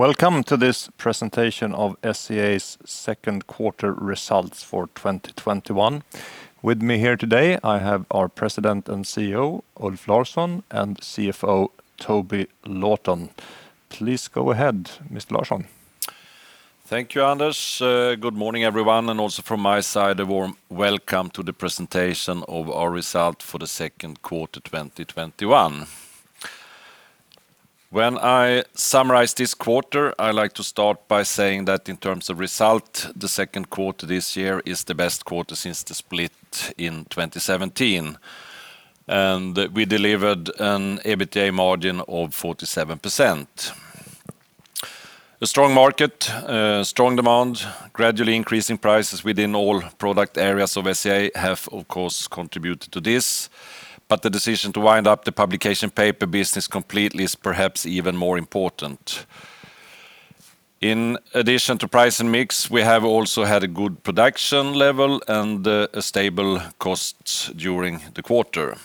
Welcome to this presentation of SCA's second quarter results for 2021. With me here today, I have our President and CEO, Ulf Larsson, and CFO, Toby Lawton. Please go ahead, Mr. Larsson. Thank you, Anders. Good morning, everyone, and also from my side, a warm welcome to the presentation of our results for the second quarter 2021. When I summarize this quarter, I like to start by saying that in terms of result, the second quarter this year is the best quarter since the split in 2017. We delivered an EBITDA margin of 47%. A strong market, strong demand, gradually increasing prices within all product areas of SCA have, of course, contributed to this. The decision to wind up the publication paper business completely is perhaps even more important. In addition to price and mix, we have also had a good production level and stable costs during the quarter.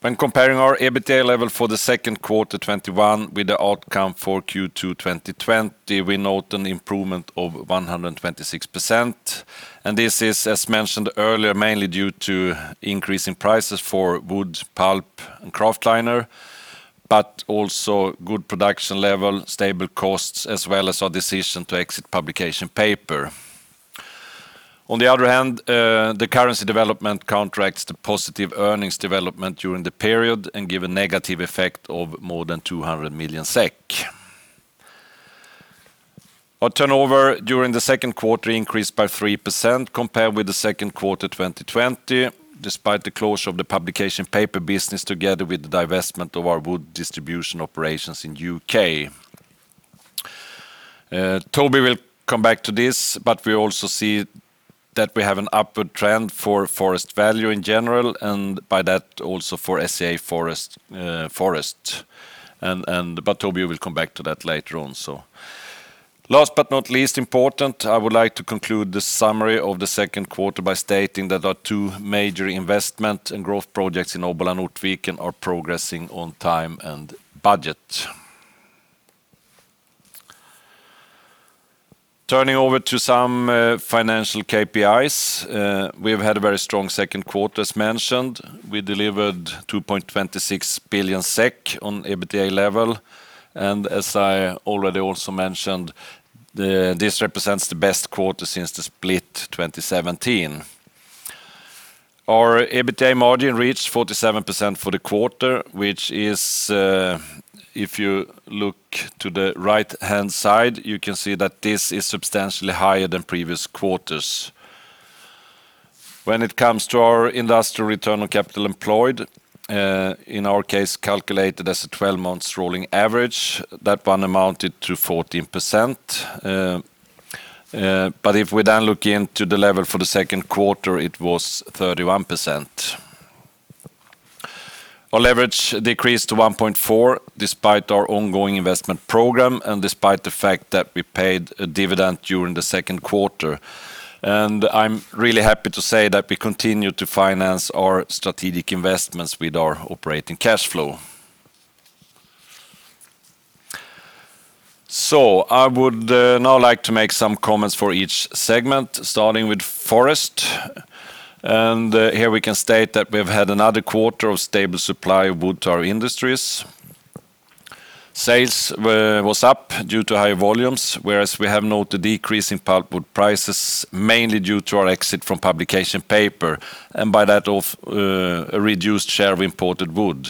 When comparing our EBITDA level for the second quarter 21 with the outcome for Q2 2020, we note an improvement of 126%. This is, as mentioned earlier, mainly due to increase in prices for wood, pulp, and kraftliner, but also good production level, stable costs, as well as our decision to exit publication paper. On the other hand, the currency development counteracts the positive earnings development during the period and give a negative effect of more than 200 million SEK. Our turnover during the second quarter increased by 3% compared with the second quarter 2020, despite the closure of the publication paper business, together with the divestment of our Wood distribution operations in U.K. Toby will come back to this. We also see that we have an upward trend for forest value in general, and by that, also for SCA Forest. Toby will come back to that later on. Last but not least important, I would like to conclude the summary of the second quarter by stating that our two major investment and growth projects in Obbola and Ortviken are progressing on time and budget. Turning over to some financial KPIs. We've had a very strong second quarter, as mentioned. We delivered 2.26 billion SEK on EBITDA level, and as I already also mentioned, this represents the best quarter since the split 2017. Our EBITDA margin reached 47% for the quarter, which is, if you look to the right-hand side, you can see that this is substantially higher than previous quarters. When it comes to our industrial return on capital employed, in our case, calculated as a 12-month rolling average, that one amounted to 14%. If we then look into the level for the second quarter, it was 31%. Our leverage decreased to 1.4x despite our ongoing investment program and despite the fact that we paid a dividend during the second quarter. I'm really happy to say that we continue to finance our strategic investments with our operating cash flow. I would now like to make some comments for each segment, starting with Forest. Here we can state that we've had another quarter of stable supply of wood to our industries. Sales was up due to higher volumes, whereas we have noted a decrease in pulpwood prices, mainly due to our exit from publication paper, and by that, a reduced share of imported wood.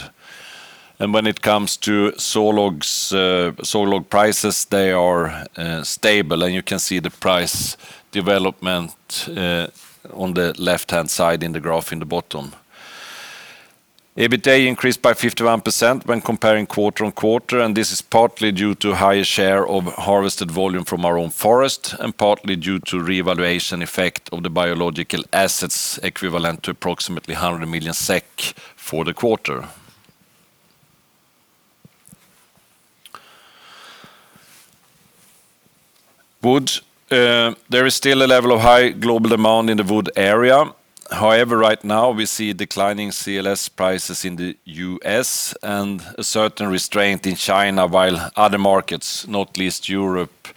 When it comes to sawlog prices, they are stable, and you can see the price development on the left-hand side in the graph in the bottom. EBITDA increased by 51% when comparing quarter-on-quarter. This is partly due to higher share of harvested volume from our own forest and partly due to revaluation effect of the biological assets equivalent to approximately 100 million SEK for the quarter. Wood, there is still a level of high global demand in the wood area. However, right now, we see declining CLS prices in the U.S. and a certain restraint in China while other markets, not least Europe,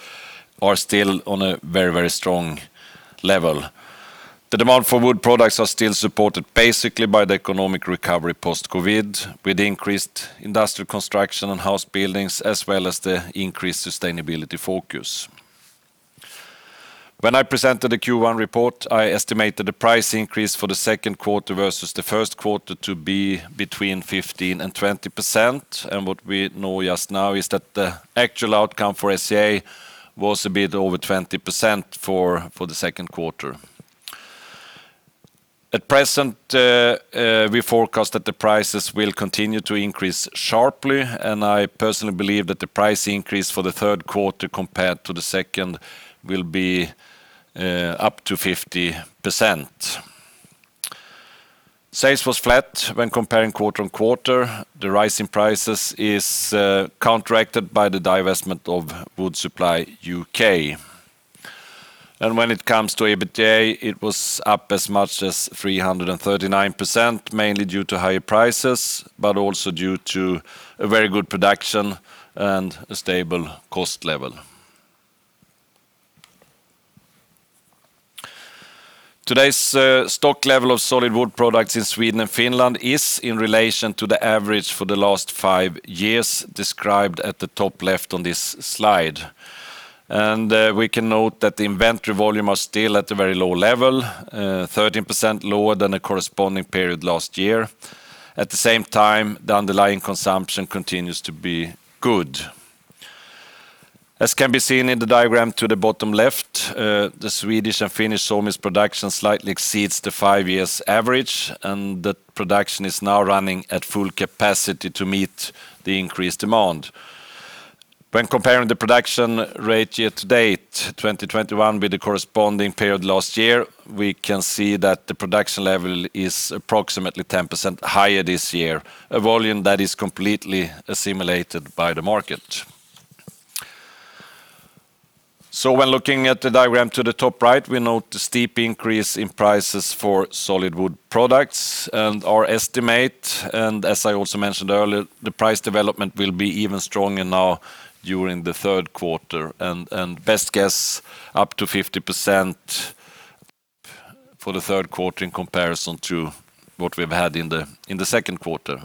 are still on a very strong level. The demand for wood products are still supported basically by the economic recovery post-COVID, with increased industrial construction and house buildings, as well as the increased sustainability focus. When I presented the Q1 report, I estimated the price increase for the second quarter versus the first quarter to be between 15% and 20%. What we know just now is that the actual outcome for SCA was a bit over 20% for the second quarter. At present, we forecast that the prices will continue to increase sharply. I personally believe that the price increase for the third quarter compared to the second will be up to 50%. Sales was flat when comparing quarter-on-quarter. The rise in prices is counteracted by the divestment of Wood Supply U.K. When it comes to EBITDA, it was up as much as 339%, mainly due to higher prices, but also due to a very good production and a stable cost level. Today's stock level of solid wood products in Sweden and Finland is in relation to the average for the last 5 years, described at the top left on this slide. We can note that the inventory volume are still at a very low level, 13% lower than the corresponding period last year. At the same time, the underlying consumption continues to be good. As can be seen in the diagram to the bottom left, the Swedish and Finnish sawmills production slightly exceeds the five years average, and the production is now running at full capacity to meet the increased demand. When comparing the production rate year-to-date 2021 with the corresponding period last year, we can see that the production level is approximately 10% higher this year, a volume that is completely assimilated by the market. When looking at the diagram to the top right, we note the steep increase in prices for solid wood products and our estimate, and as I also mentioned earlier, the price development will be even stronger now during the third quarter, and best guess up to 50% for the third quarter in comparison to what we've had in the second quarter.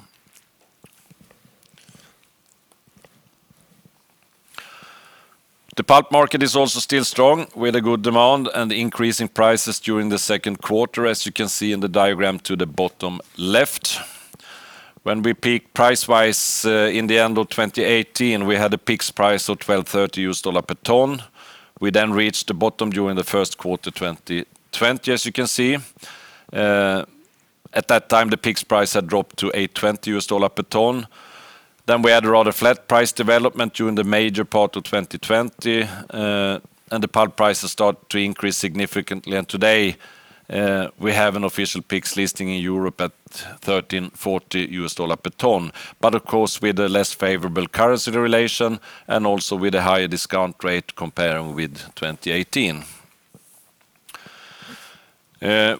The Pulp market is also still strong with a good demand and increase in prices during the second quarter, as you can see in the diagram to the bottom left. When we peaked price-wise, in the end of 2018, we had a peak price of $1,230 per ton. We then reached the bottom during the first quarter 2020, as you can see. At that time, the peak price had dropped to $820 per ton. We had a rather flat price development during the major part of 2020. The pulp prices start to increase significantly. Today, we have an official PIX listing in Europe at $1,340 per ton. Of course, with a less favorable currency relation, and also with a higher discount rate comparing with 2018.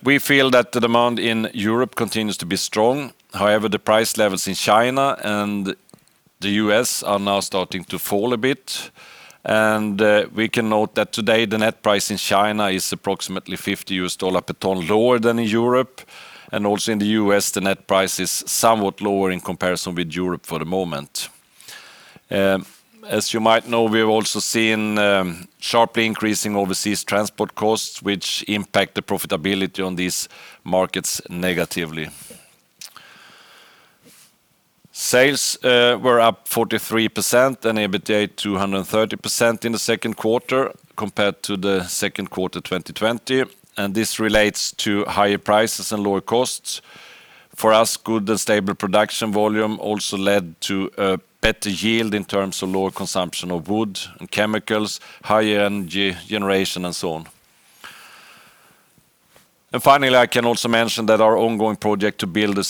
We feel that the demand in Europe continues to be strong. However, the price levels in China and the U.S. are now starting to fall a bit, and we can note that today the net price in China is approximately $50 per ton lower than in Europe, and also in the U.S. the net price is somewhat lower in comparison with Europe for the moment. As you might know, we've also seen sharply increasing overseas transport costs, which impact the profitability on these markets negatively. Sales were up 43% and EBITDA 230% in the second quarter compared to the second quarter 2020. This relates to higher prices and lower costs. For us, good and stable production volume also led to a better yield in terms of lower consumption of wood and chemicals, higher energy generation, and so on. Finally, I can also mention that our ongoing project to build a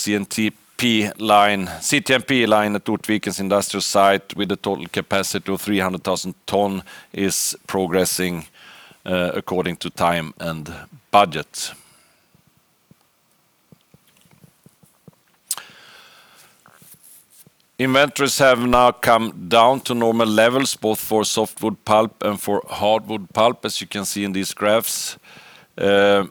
CTMP line at Ortviken industrial site with a total capacity of 300,000 tons is progressing according to time and budget. Inventories have now come down to normal levels both for softwood pulp and for hardwood pulp, as you can see in these graphs. The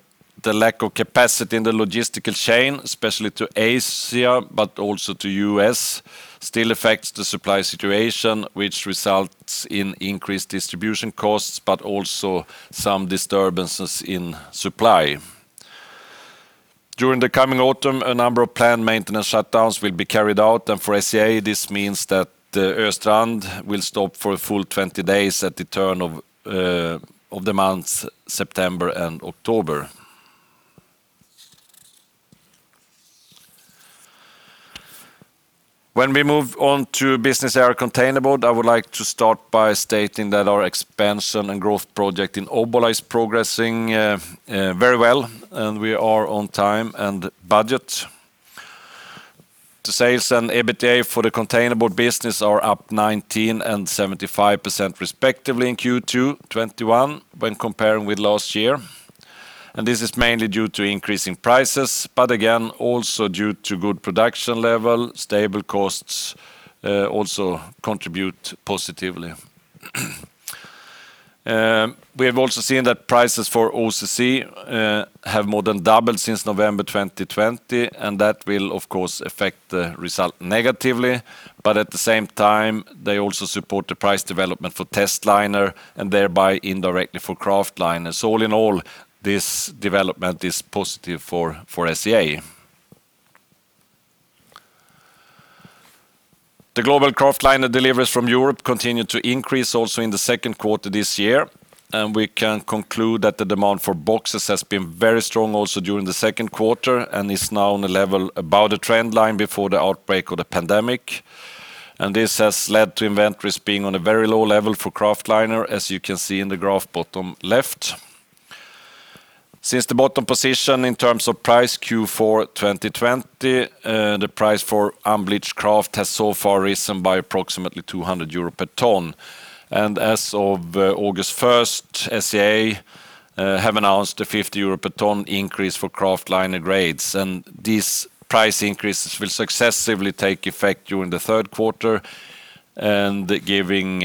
lack of capacity in the logistical chain, especially to Asia, but also to U.S., still affects the supply situation, which results in increased distribution costs, but also some disturbances in supply. During the coming autumn, a number of planned maintenance shutdowns will be carried out. For SCA, this means that Östrand will stop for a full 20 days at the turn of the months September and October. When we move on to business area Containerboard, I would like to start by stating that our expansion and growth project in Obbola is progressing very well, and we are on time and budget. The sales and EBITDA for the Containerboard business are up 19% and 75% respectively in Q2 2021 when comparing with last year. This is mainly due to increase in prices, but again, also due to good production level, stable costs, also contribute positively. We have also seen that prices for OCC have more than doubled since November 2020, and that will of course affect the result negatively. At the same time, they also support the price development for testliner and thereby indirectly for kraftliner. All in all, this development is positive for SCA. The global kraftliner deliveries from Europe continued to increase also in the second quarter this year. We can conclude that the demand for boxes has been very strong also during the second quarter, and is now on a level above the trend line before the outbreak of the pandemic. This has led to inventories being on a very low level for kraftliner, as you can see in the graph bottom left. Since the bottom position in terms of price Q4 2020, the price for unbleached kraft has so far risen by approximately 200 euro per ton. As of August 1st, SCA have announced a 50 euro per ton increase for kraftliner grades. These price increases will successively take effect during the third quarter, and giving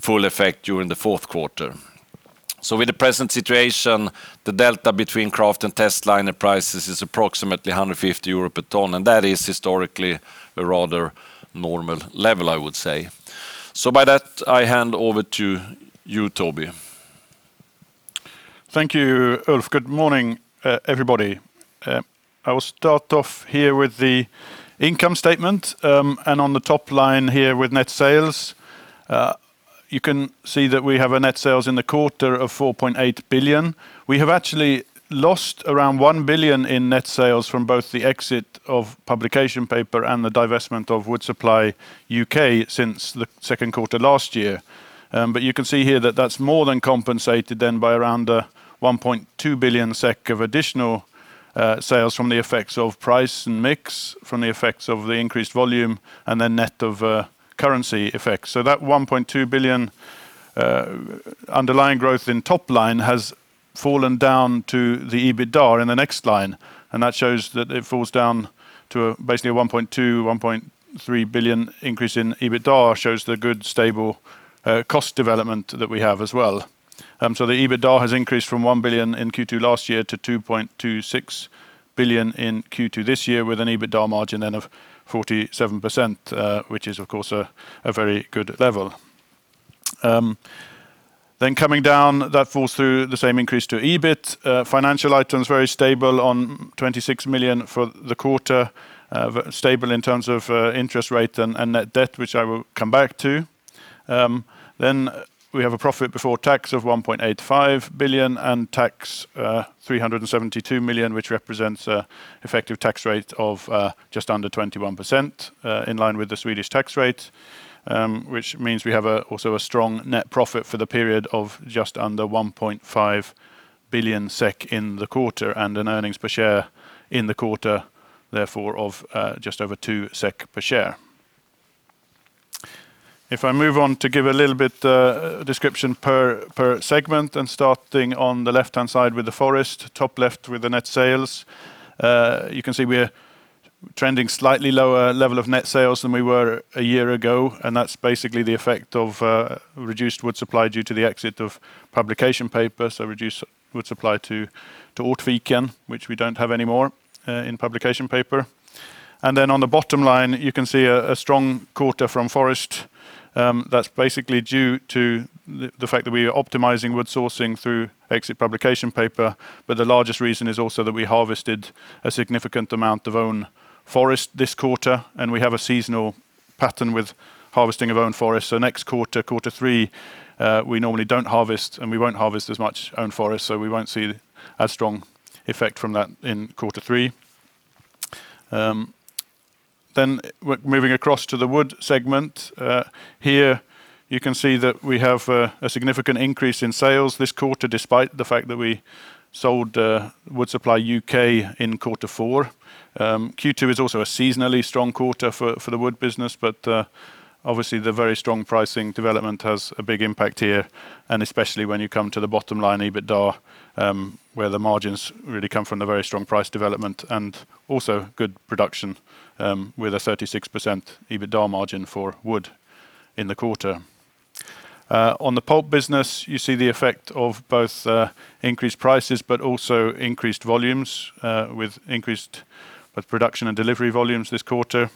full effect during the fourth quarter. With the present situation, the delta between kraft and testliner prices is approximately 150 euro per ton, and that is historically a rather normal level, I would say. By that, I hand over to you, Toby. Thank you, Ulf. Good morning, everybody. I will start off here with the income statement, and on the top line here with net sales. You can see that we have a net sales in the quarter of 4.8 billion. We have actually lost around 1 billion in net sales from both the exit of publication paper and the divestment of SCA Wood Supply UK since the second quarter last year. You can see here that that's more than compensated then by around 1.2 billion SEK of additional sales from the effects of price and mix, from the effects of the increased volume, and then net of currency effects. That 1.2 billion underlying growth in top line has fallen down to the EBITDA in the next line, that shows that it falls down to basically a 1.2 billion, 1.3 billion increase in EBITDA, shows the good, stable cost development that we have as well. The EBITDA has increased from 1 billion in Q2 last year to 2.26 billion in Q2 this year, with an EBITDA margin then of 47%, which is, of course, a very good level. Coming down, that falls through the same increase to EBIT. Financial items, very stable on 26 million for the quarter. Stable in terms of interest rate and net debt, which I will come back to. We have a profit before tax of 1.85 billion and tax, 372 million, which represents a effective tax rate of just under 21%, in line with the Swedish tax rate, which means we have also a strong net profit for the period of just under 1.5 billion SEK in the quarter and an earnings per share in the quarter, therefore of just over 2 SEK per share. If I move on to give a little bit description per segment and starting on the left-hand side with the forest, top left with the net sales. You can see we're trending slightly lower level of net sales than we were a year ago, and that's basically the effect of reduced wood supply due to the exit of publication paper, so reduced wood supply to Ortviken, which we don't have anymore in publication paper. On the bottom line, you can see a strong quarter from Forest. That's basically due to the fact that we are optimizing wood sourcing through exit publication paper, the largest reason is also that we harvested a significant amount of own forest this quarter, and we have a seasonal pattern with harvesting of own forest. Next quarter, Q3, we normally don't harvest and we won't harvest as much own forest, we won't see as strong effect from that in Q3. Moving across to the Wood segment. Here, you can see that we have a significant increase in sales this quarter, despite the fact that we sold Wood Supply UK in Q4. Q2 is also a seasonally strong quarter for the Wood business, obviously, the very strong pricing development has a big impact here, especially when you come to the bottom line, EBITDA, where the margins really come from the very strong price development and also good production, with a 36% EBITDA margin for Wood in the quarter. On the Pulp business, you see the effect of both increased prices but also increased volumes, with increased both production and delivery volumes this quarter.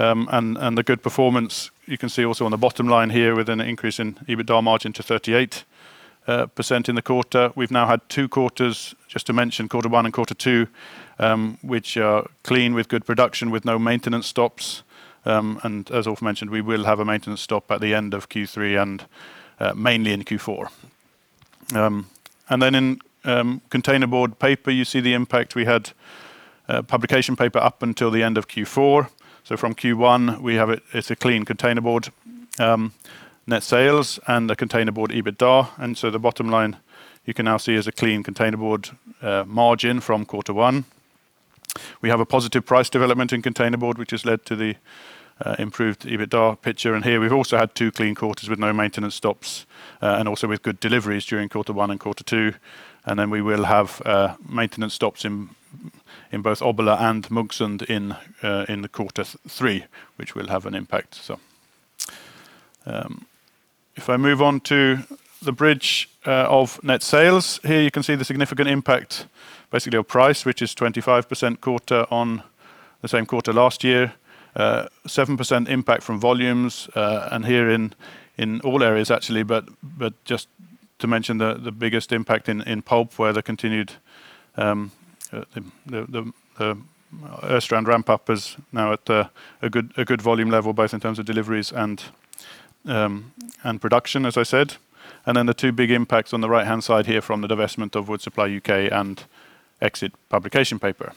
The good performance you can see also on the bottom line here with an increase in EBITDA margin to 38% in the quarter. We've now had two quarters, just to mention quarter one and quarter two, which are clean with good production with no maintenance stops. As Ulf mentioned, we will have a maintenance stop at the end of Q3 and mainly in Q4. In Containerboard, you see the impact. We had publication paper up until the end of Q4. From Q1, it's a clean Containerboard net sales and the Containerboard EBITDA. The bottom line you can now see is a clean Containerboard margin from Q1. We have a positive price development in Containerboard, which has led to the improved EBITDA picture. Here we've also had two clean quarters with no maintenance stops, and also with good deliveries during Q1 and Q2. We will have maintenance stops in both Obbola and Munksund in Q3, which will have an impact. If I move on to the bridge of net sales. Here you can see the significant impact, basically of price, which is 25% quarter on the same quarter last year. 7% impact from volumes, here in all areas, actually, but just to mention the biggest impact in Pulp, where the continued, the Östrand ramp-up is now at a good volume level, both in terms of deliveries and production, as I said. Then the two big impacts on the right-hand side here from the divestment of Wood Supply UK and exit publication paper.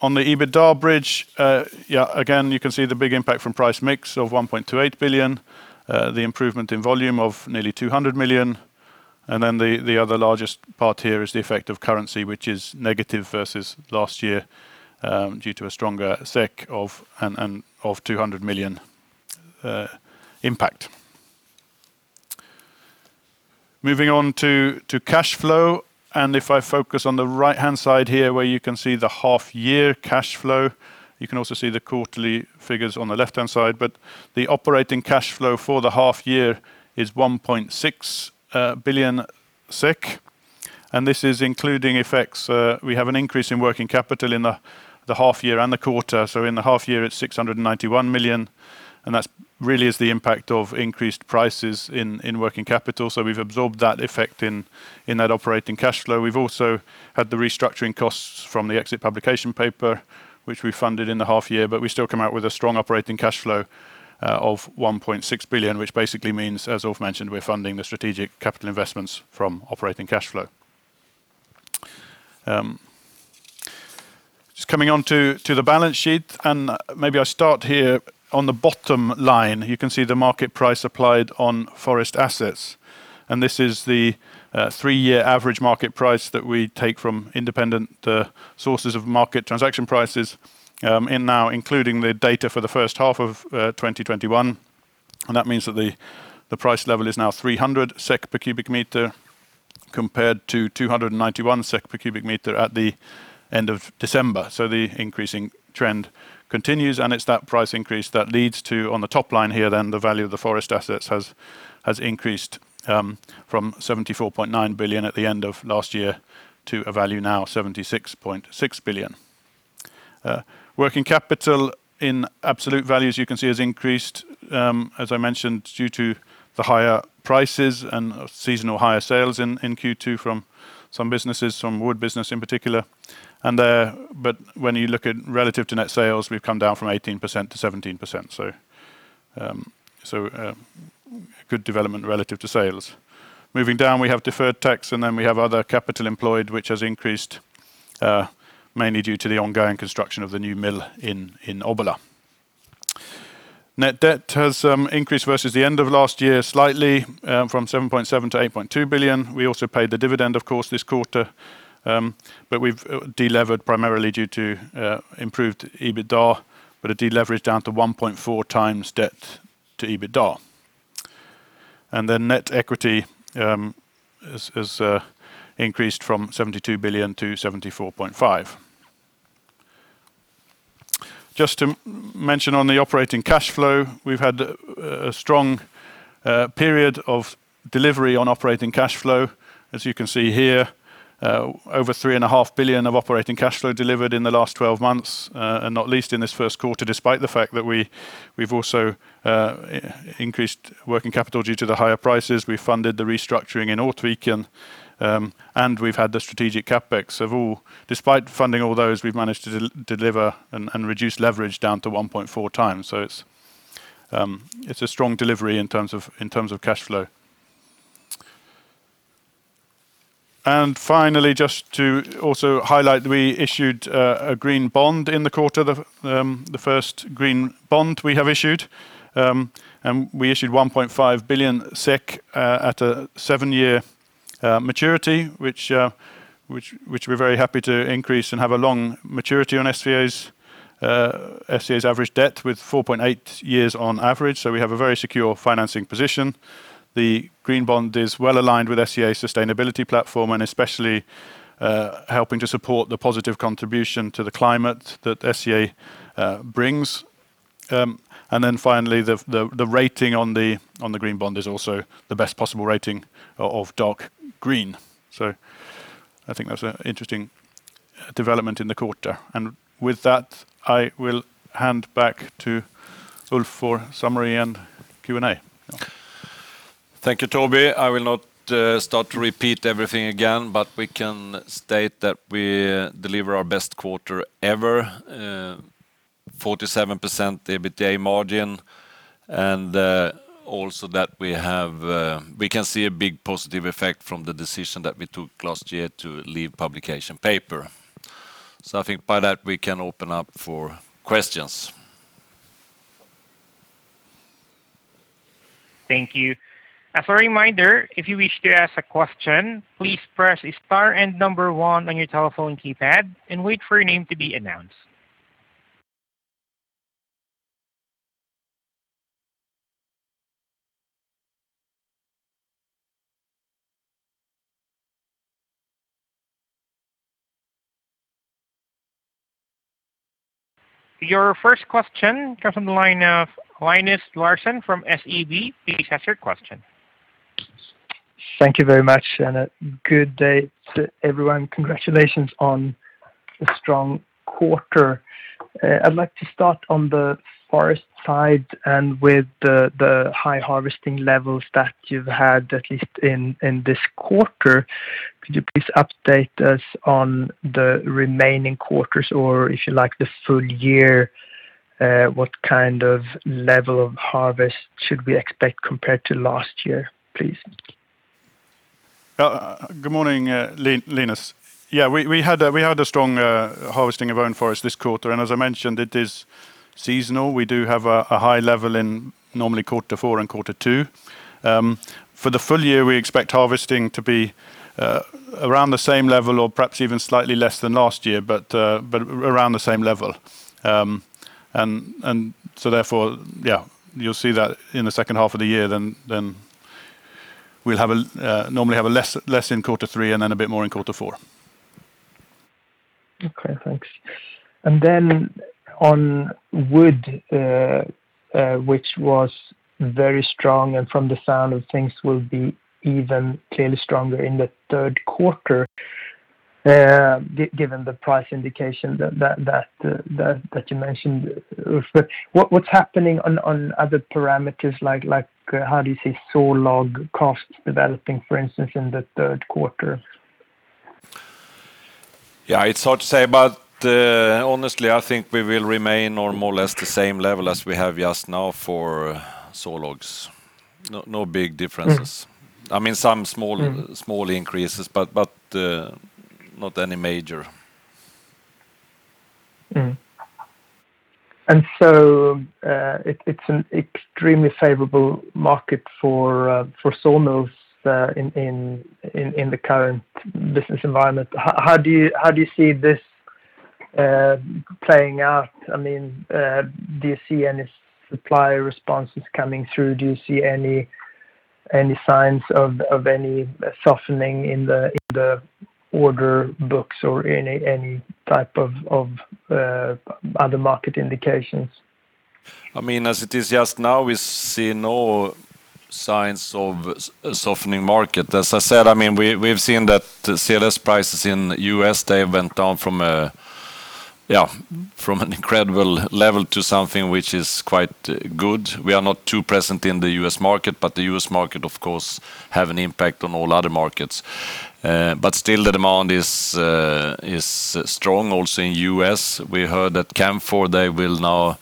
On the EBITDA bridge, again, you can see the big impact from price mix of 1.28 billion, the improvement in volume of nearly 200 million. Then the other largest part here is the effect of currency, which is negative versus last year, due to a stronger SEK of 200 million impact. Moving on to cash flow, if I focus on the right-hand side here, where you can see the half-year cash flow. You can also see the quarterly figures on the left-hand side. The operating cash flow for the half year is 1.6 billion SEK, and this is including effects. We have an increase in working capital in the half year and the quarter. In the half year, it is 691 million, and that really is the impact of increased prices in working capital. We have absorbed that effect in that operating cash flow. We have also had the restructuring costs from the exit publication paper, which we funded in the half year, but we still come out with a strong operating cash flow of 1.6 billion, which basically means, as Ulf mentioned, we are funding the strategic capital investments from operating cash flow. Just coming on to the balance sheet, and maybe I start here on the bottom line, you can see the market price applied on Forest assets. This is the three-year average market price that we take from independent sources of market transaction prices in now including the data for the first half of 2021. That means that the price level is now 300 SEK per cu m, compared to 291 SEK per cu m at the end of December. The increasing trend continues, and it's that price increase that leads to, on the top line here, the value of the Forest assets has increased from 74.9 billion at the end of last year to a value now 76.6 billion. Working capital in absolute value, as you can see, has increased, as I mentioned, due to the higher prices and seasonal higher sales in Q2 from some businesses, from Wood business in particular. When you look at relative to net sales, we've come down from 18% to 17%, so good development relative to sales. Moving down, we have deferred tax, we have other capital employed, which has increased, mainly due to the ongoing construction of the new mill in Obbola. Net debt has increased versus the end of last year, slightly from 7.7 billion-8.2 billion. We also paid the dividend, of course, this quarter, we've delevered primarily due to improved EBITDA, but a deleverage down to 1.4x debt to EBITDA. Net equity has increased from 72 billion-74.5 billion. Just to mention on the operating cash flow, we've had a strong period of delivery on operating cash flow, as you can see here, over 3.5 billion of operating cash flow delivered in the last 12 months. Not least in this first quarter, despite the fact that we've also increased working capital due to the higher prices. We funded the restructuring in Ortviken. We've had the strategic CapEx. Despite funding all those, we've managed to deliver and reduce leverage down to 1.4x. It's a strong delivery in terms of cash flow. Finally, just to also highlight, we issued a Green Bond in the quarter, the first Green Bond we have issued. We issued 1.5 billion SEK at a seven-year maturity, which we're very happy to increase and have a long maturity on SCA's average debt with 4.8 years on average. We have a very secure financing position. The green bond is well-aligned with SCA's sustainability platform and especially helping to support the positive contribution to the climate that SCA brings. Finally, the rating on the green bond is also the best possible rating of "Dark Green". I think that's an interesting development in the quarter. With that, I will hand back to Ulf for summary and Q&A. Thank you, Toby. I will not start to repeat everything again, but we can state that we deliver our best quarter ever, 47% EBITDA margin, and also that we can see a big positive effect from the decision that we took last year to leave publication paper. I think by that, we can open up for questions. Thank you. As a reminder, if you wish to ask a question, please press star and number one on your telephone keypad and wait for your name to be announced. Your first question comes from the line of Linus Larsson from SEB. Please ask your question. Thank you very much, and good day to everyone. Congratulations on the strong quarter. I'd like to start on the Forest side and with the high harvesting levels that you've had, at least in this quarter. Could you please update us on the remaining quarters or, if you like, the full year? What kind of level of harvest should we expect compared to last year, please? Good morning, Linus. Yeah, we had a strong harvesting of own forest this quarter, and as I mentioned, it is seasonal. We do have a high level in normally quarter four and quarter two. For the full year, we expect harvesting to be around the same level or perhaps even slightly less than last year, but around the same level. Therefore, yeah, you'll see that in the second half of the year, then we'll normally have less in quarter three and then a bit more in quarter four. Okay, thanks. On Wood, which was very strong and from the sound of things will be even clearly stronger in the third quarter, given the price indication that you mentioned, Ulf. What's happening on other parameters like how do you see saw log costs developing, for instance, in the third quarter? Yeah, it is hard to say, but honestly, I think we will remain on more or less the same level as we have just now for saw logs. No big differences. Some small increases, but not any major. It's an extremely favorable market for sawmills in the current business environment. How do you see this playing out? Do you see any supplier responses coming through? Do you see any signs of any softening in the order books or any type of other market indications? As it is just now, we see no signs of a softening market. As I said, we've seen that the CLS prices in the U.S., they went down from an incredible level to something which is quite good. We are not too present in the U.S. market. The U.S. market, of course, have an impact on all other markets. Still the demand is strong also in U.S. We heard that Canfor, they will now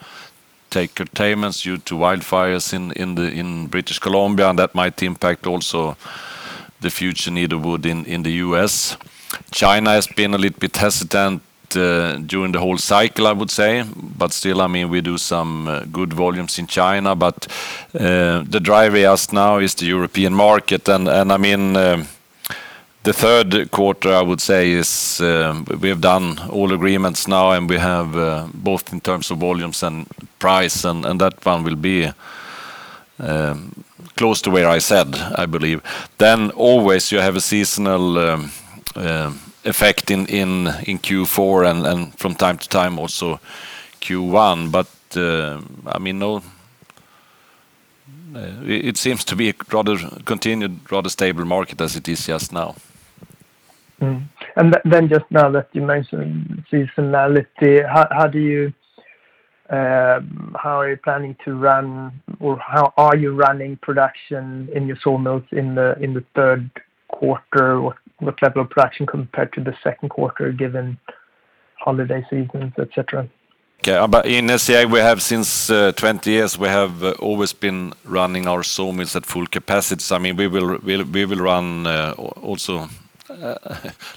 take curtailments due to wildfires in British Columbia. That might impact also the future need of wood in the U.S. China has been a little bit hesitant during the whole cycle, I would say. Still we do some good volumes in China. The driver just now is the European market. The third quarter, I would say, is we have done all agreements now and we have both in terms of volumes and price, and that one will be close to where I said, I believe. Always you have a seasonal effect in Q4 and from time to time also Q1, but it seems to be a rather continued, rather stable market as it is just now. Mm-hmm. Then just now that you mentioned seasonality, how are you planning to run or how are you running production in your sawmills in the third quarter? What level of production compared to the second quarter, given holiday seasons, et cetera? Okay. In SCA, since 20 years, we have always been running our saw mills at full capacity. We will run.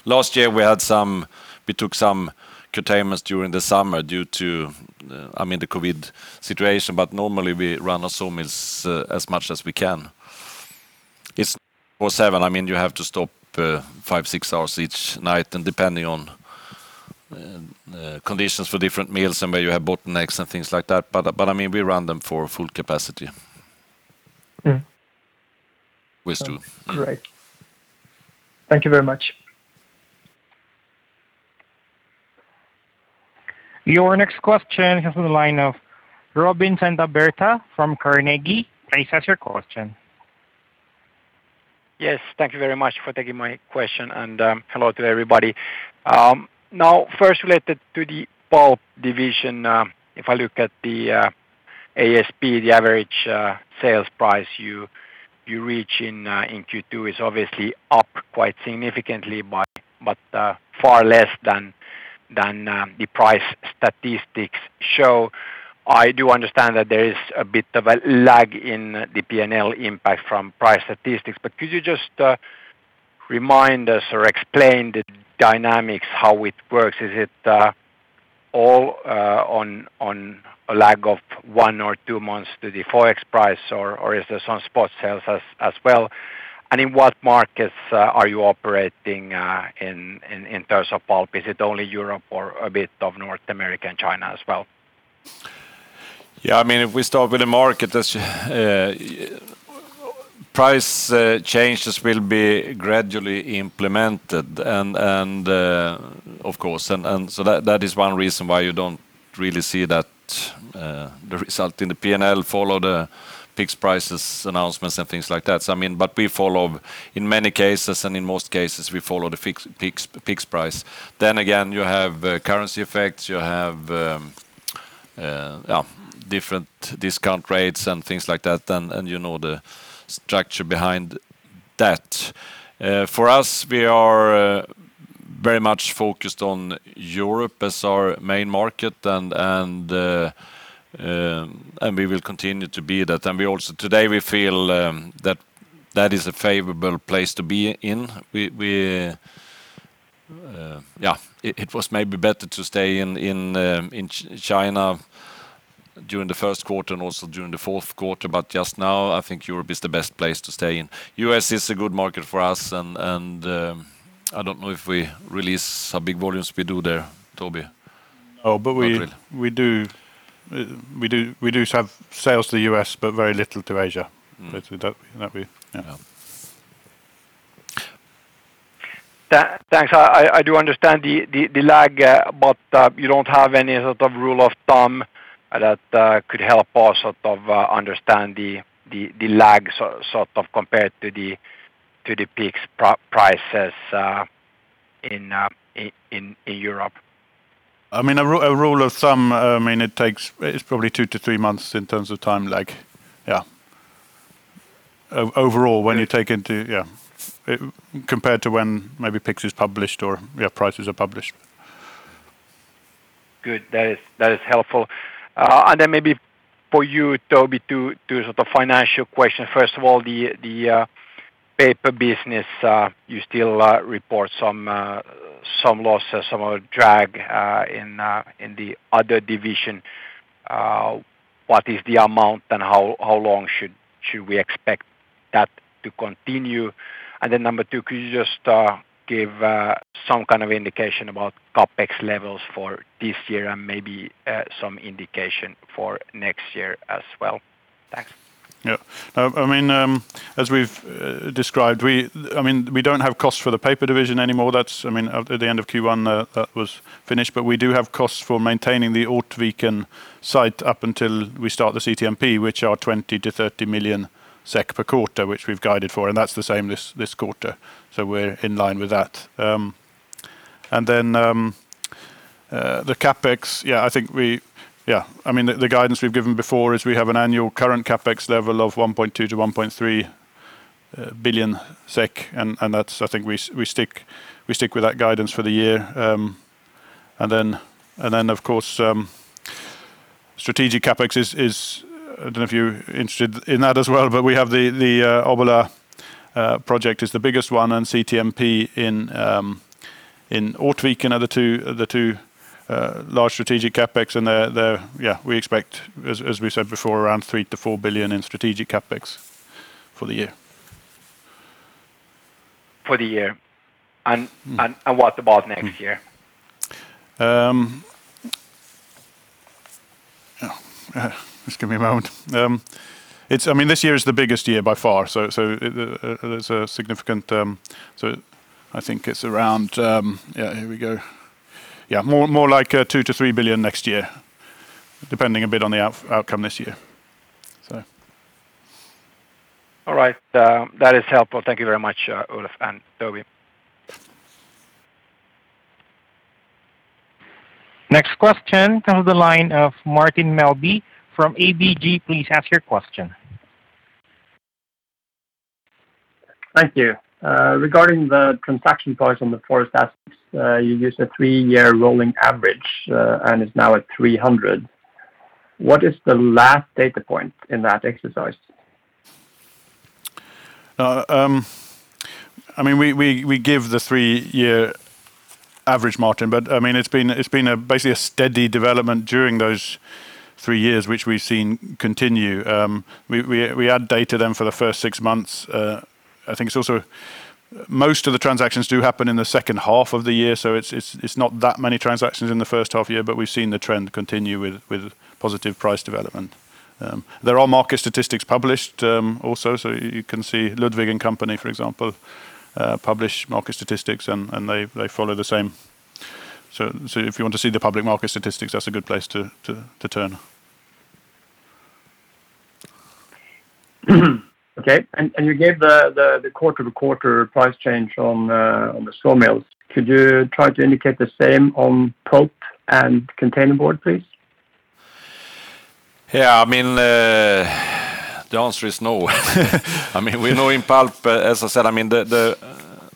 Last year we took some curtailments during the summer due to the COVID situation, normally we run our saw mills as much as we can. It's [twenty] four-seven, you have to stop five, six hours each night and depending on conditions for different mills and where you have bottlenecks and things like that, but we run them for full capacity. We do. Great. Thank you very much. Your next question comes from the line of Robin Santavirta from Carnegie. Please ask your question. Yes, thank you very much for taking my question, and hello to everybody. Now, first related to the Pulp division, if I look at the ASP, the average sales price you reach in Q2 is obviously up quite significantly, but far less than the price statistics show. I do understand that there is a bit of a lag in the P&L impact from price statistics, but could you just remind us or explain the dynamics, how it works? Is it all on a lag of one or two months to the forex price, or is there some spot sales as well? In what markets are you operating in terms of Pulp? Is it only Europe or a bit of North America and China as well? Yeah, if we start with the market, price changes will be gradually implemented, of course. That is one reason why you don't really see that the result in the P&L follow the fixed prices announcements and things like that. In many cases, and in most cases, we follow the fixed price. You have currency effects. You have different discount rates and things like that, and you know the structure behind that. For us, we are very much focused on Europe as our main market, we will continue to be that. Today, we feel that is a favorable place to be in. It was maybe better to stay in China during the first quarter and also during the fourth quarter, just now, I think Europe is the best place to stay in. U.S. is a good market for us, and I don't know if we release a big volumes we do there, Toby. Oh, but we- April We do have sales to the U.S., but very little to Asia. Is that we. Yeah. Yeah. Thanks. I do understand the lag. You don't have any sort of rule of thumb that could help us sort of understand the lag sort of compared to the PIX prices in Europe? A rule of thumb, it's probably two to three months in terms of time lag, overall when you take into. Yeah. Compared to when maybe PIX is published or prices are published. Good. That is helpful. Maybe for you, Toby, two sort of financial questions. First of all, the paper business, you still report some losses, some are drag in the other division. What is the amount and how long should we expect that to continue? Number two, could you just give some kind of indication about CapEx levels for this year and maybe some indication for next year as well? Thanks. Yeah. As we've described, we don't have costs for the paper division anymore. At the end of Q1, that was finished, we do have costs for maintaining the Ortviken site up until we start the CTMP, which are 20 million-30 million SEK per quarter, which we've guided for, that's the same this quarter. We're in line with that. The CapEx. The guidance we've given before is we have an annual current CapEx level of 1.2 billion-1.3 billion SEK. I think we stick with that guidance for the year. Of course, strategic CapEx is, I don't know if you're interested in that as well, we have the Obbola Project is the biggest one, CTMP in Ortviken are the two large strategic CapEx. There, yeah, we expect, as we said before, around 3 billion-4 billion in strategic CapEx for the year. For the year. What about next year? Just give me a moment. This year is the biggest year by far. More like 2 billion-3 billion next year, depending a bit on the outcome this year. All right. That is helpful. Thank you very much, Ulf and Toby. Next question comes the line of Martin Melbye from ABG. Please ask your question. Thank you. Regarding the transaction price on the Forest assets, you used a three-year rolling average, and it's now at 300. What is the last data point in that exercise? We give the three-year average margin, but it's been basically a steady development during those three years, which we've seen continue. We add data then for the first six months. I think also, most of the transactions do happen in the second half of the year, so it's not that many transactions in the first half year, but we've seen the trend continue with positive price development. There are market statistics published, also, so you can see Ludvig & Co., for example, publish market statistics, and they follow the same. If you want to see the public market statistics, that's a good place to turn. Okay. You gave the quarter to quarter price change on the sawmills. Could you try to indicate the same on Pulp and Containerboard, please? Yeah. The answer is no. We know in Pulp, as I said, the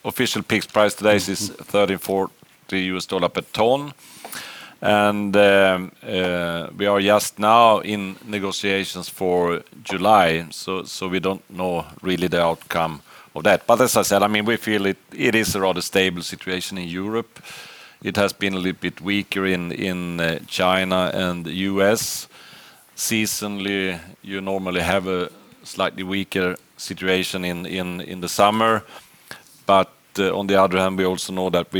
official PIX price today is $34 per ton. We are just now in negotiations for July, we don't know really the outcome of that. As I said, we feel it is a rather stable situation in Europe. It has been a little bit weaker in China and the U.S. Seasonally, you normally have a slightly weaker situation in the summer. On the other hand, we also know that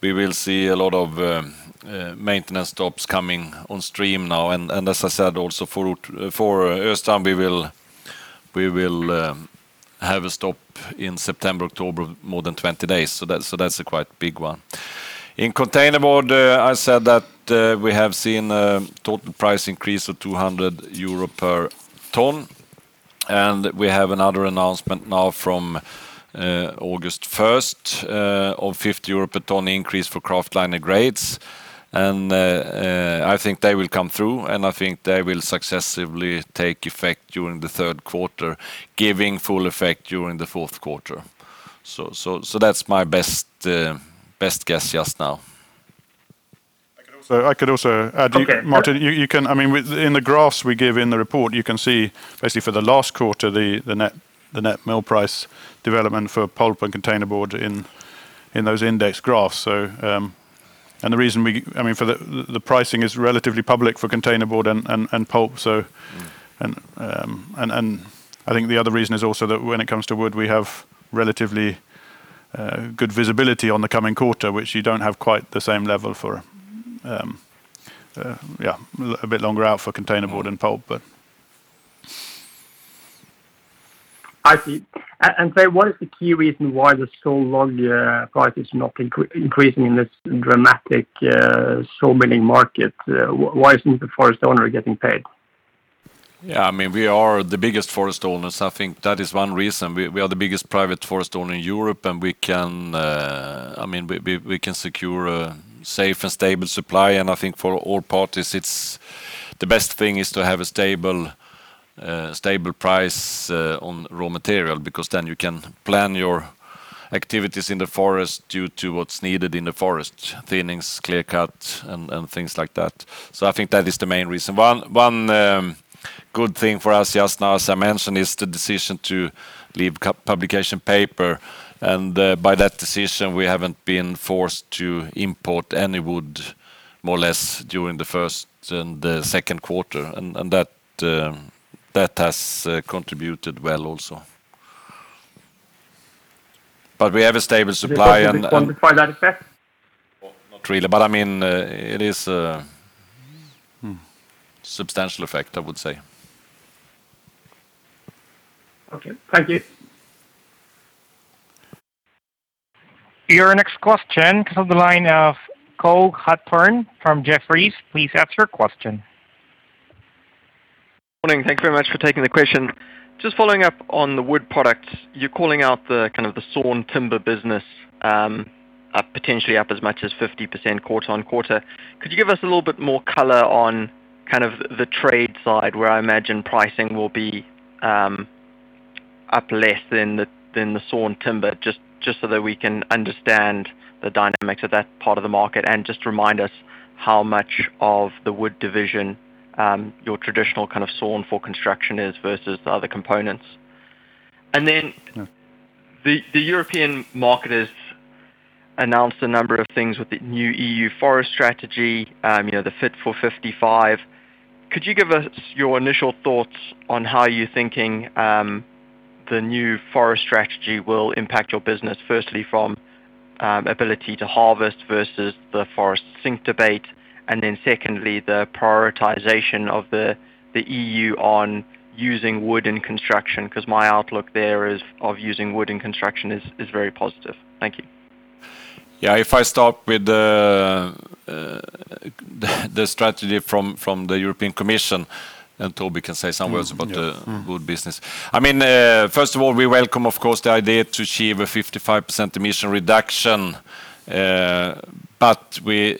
we will see a lot of maintenance stops coming on stream now. As I said also, for Östrand, we will have a stop in September, October, more than 20 days. That's a quite big one. In Containerboard, I said that we have seen a total price increase of 200 euro per ton. We have another announcement now from August 1st of 50 euro per ton increase for kraftliner grades. I think they will come through, and I think they will successively take effect during the third quarter, giving full effect during the fourth quarter. That's my best guess just now. I could also add, Martin. In the graphs we give in the report, you can see basically for the last quarter, the net mill price development for Pulp and Containerboard in those index graphs. The pricing is relatively public for Containerboard and Pulp. I think the other reason is also that when it comes to Wood, we have relatively good visibility on the coming quarter, which you don't have quite the same level for a bit longer out for Containerboard and Pulp. I see. what is the key reason why the saw log price is not increasing in this dramatic saw milling market? Why isn't the forest owner getting paid? Yeah, we are the biggest forest owners. I think that is one reason. We are the biggest private forest owner in Europe, and we can secure a safe and stable supply, and I think for all parties, the best thing is to have a stable price on raw material because then you can plan your activities in the forest due to what's needed in the forest, thinnings, clear-cut, and things like that. I think that is the main reason. One good thing for us just now, as I mentioned, is the decision to leave publication paper, and by that decision, we haven't been forced to import any wood, more or less, during the first and the second quarter. That has contributed well also. We have a stable supply and- Was it possible to quantify that effect? Not really, but it is a substantial effect, I would say. Okay. Thank you. Your next question comes on the line of Cole Hathorn from Jefferies. Please ask your question. Morning. Thank you very much for taking the question. Just following up on the Wood products. You're calling out the sawn timber business, potentially up as much as 50% quarter on quarter. Could you give us a little bit more color on the trade side, where I imagine pricing will be up less than the sawn timber, just so that we can understand the dynamics of that part of the market and just remind us how much of the Wood division, your traditional sawn for construction is versus the other components? The European market has announced a number of things with the New EU Forest Strategy, the Fit for 55. Could you give us your initial thoughts on how you're thinking the new Forest Strategy will impact your business, firstly from ability to harvest versus the forest sink debate, and then secondly, the prioritization of the EU on using wood in construction, because my outlook there of using wood in construction is very positive. Thank you. Yeah, if I start with the strategy from the European Commission, and Toby can say some words about the Wood business. First of all, we welcome, of course, the idea to achieve a 55% emission reduction, but we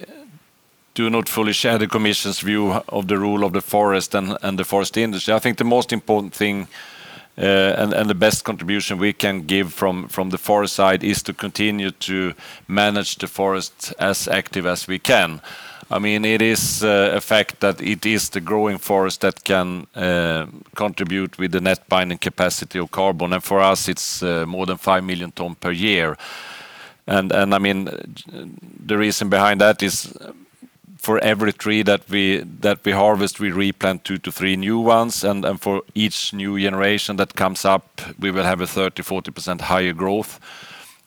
do not fully share the Commission's view of the role of the forest and the forest industry. I think the most important thing and the best contribution we can give from the Forest side is to continue to manage the forest as active as we can. It is a fact that it is the growing forest that can contribute with the net binding capacity of carbon, and for us, it's more than five million tons per year. The reason behind that is for every tree that we harvest, we replant two to three new ones, and for each new generation that comes up, we will have a 30%, 40% higher growth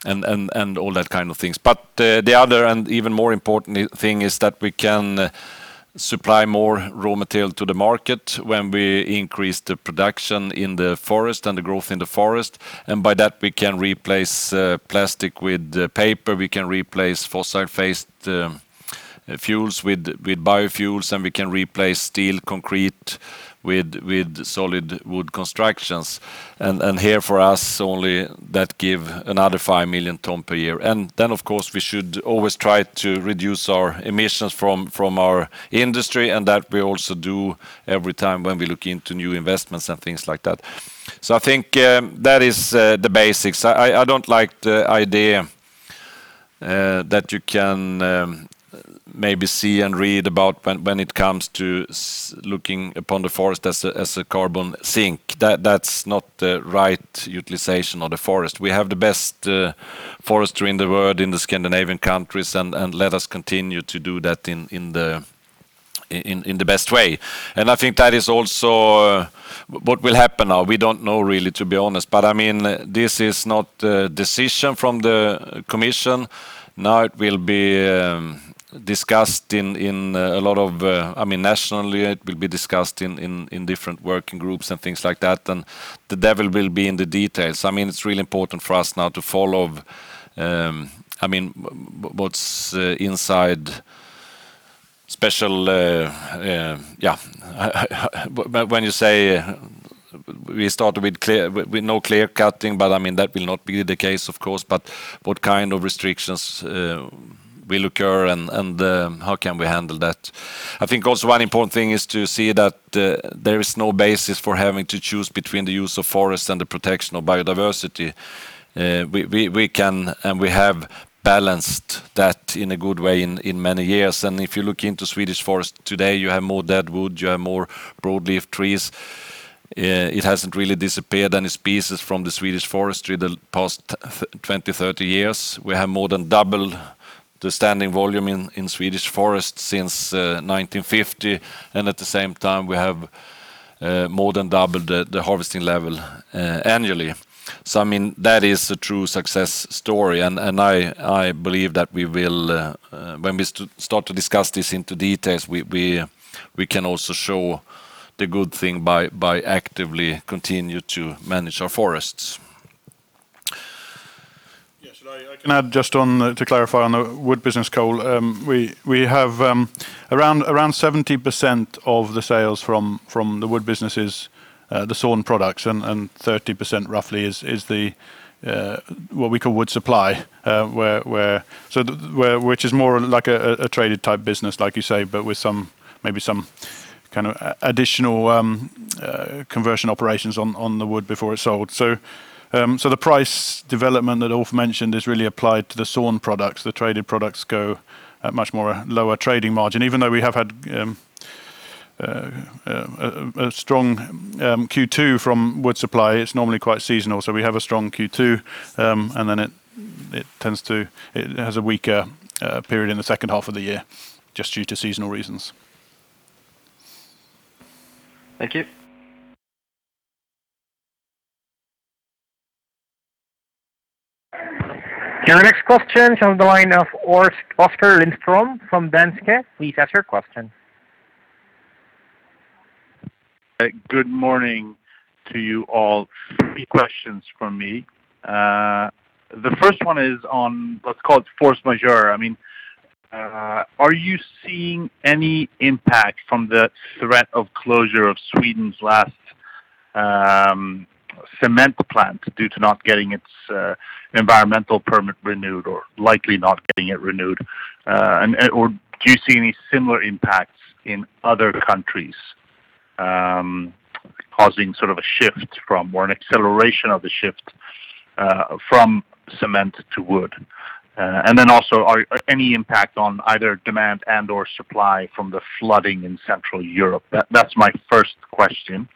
and all that kind of things. The other and even more important thing is that we can supply more raw material to the market when we increase the production in the forest and the growth in the forest, and by that, we can replace plastic with paper, we can replace fossil-based fuels with biofuels, and we can replace steel, concrete with solid wood constructions. Here for us only that give another five million tons per year. Then, of course, we should always try to reduce our emissions from our industry, and that we also do every time when we look into new investments and things like that. I think that is the basics. I don't like the idea that you can maybe see and read about when it comes to looking upon the forest as a carbon sink. That's not the right utilization of the forest. We have the best forestry in the world in the Scandinavian countries, and let us continue to do that in the best way. I think that is also what will happen now. We don't know really, to be honest. This is not a decision from the Commission. Now it will be discussed nationally, it will be discussed in different working groups and things like that, and the devil will be in the details. It's really important for us now to follow what's inside. When you say we start with no clear-cutting, but that will not be the case, of course, but what kind of restrictions will occur and how can we handle that? I think also one important thing is to see that there is no basis for having to choose between the use of forest and the protection of biodiversity. We can and we have balanced that in a good way in many years. If you look into Swedish forest today, you have more dead wood, you have more broadleaf trees. It hasn't really disappeared any species from the Swedish forestry the past 20, 30 years. We have more than doubled the standing volume in Swedish forests since 1950. At the same time, we have more than doubled the harvesting level annually. That is a true success story. I believe that when we start to discuss this into details, we can also show the good thing by actively continue to manage our forests. Yes. I can add just to clarify on the Wood business Cole. We have around 70% of the sales from the wood businesses, the sawn products, and 30% roughly is what we call wood supply, which is more like a traded type business, like you say, but with maybe some kind of additional conversion operations on the wood before it's sold. The price development that Ulf mentioned is really applied to the sawn products. The traded products go at much more lower trading margin, even though we have had a strong Q2 from wood supply. It's normally quite seasonal. We have a strong Q2, and then it has a weaker period in the second half of the year, just due to seasonal reasons. Thank you. Your next question's on the line of Oskar Lindström from Danske. Please ask your question. Good morning to you all. Three questions from me. The first one is on what's called force majeure. Are you seeing any impact from the threat of closure of Sweden's last cement plant due to not getting its environmental permit renewed or likely not getting it renewed? Do you see any similar impacts in other countries causing sort of a shift from, or an acceleration of the shift from cement to wood? Also, any impact on either demand and/or supply from the flooding in Central Europe? That's my first question.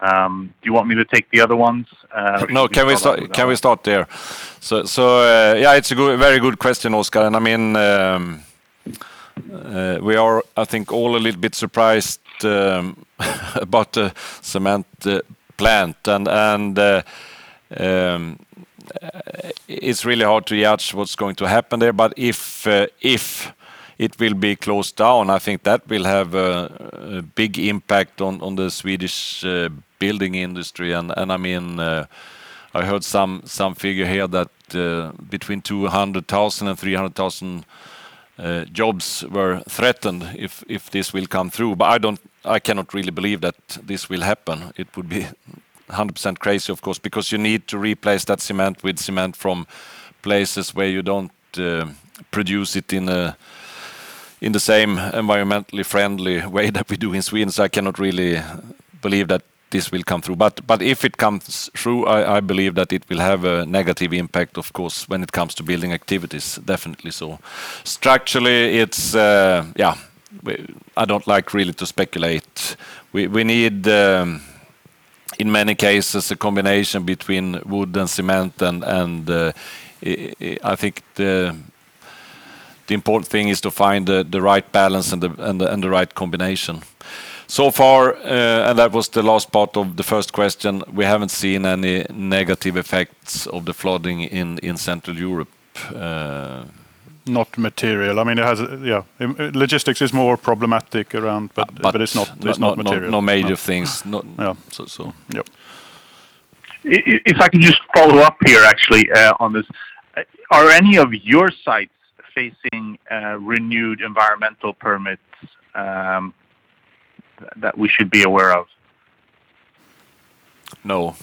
Do you want me to take the other ones? No, can we start there? Yeah, it's a very good question, Oskar. We are, I think all a little bit surprised about the cement plant. It's really hard to gauge what's going to happen there. If it will be closed down, I think that will have a big impact on the Swedish building industry, and I heard some figure here that between 200,000 and 300,000 jobs were threatened if this will come through. I cannot really believe that this will happen. It would be 100% crazy, of course, because you need to replace that cement with cement from places where you don't produce it in the same environmentally friendly way that we do in Sweden. I cannot really believe that this will come through. If it comes through, I believe that it will have a negative impact, of course, when it comes to building activities, definitely so. Structurally, I don't like really to speculate. We need, in many cases, a combination between wood and cement, and I think the important thing is to find the right balance and the right combination. So far, and that was the last part of the first question, we haven't seen any negative effects of the flooding in Central Europe. Not material. Logistics is more problematic around, but it's not material. No major things. Yeah. So. Yep. If I can just follow up here actually on this. Are any of your sites facing renewed environmental permits that we should be aware of? No.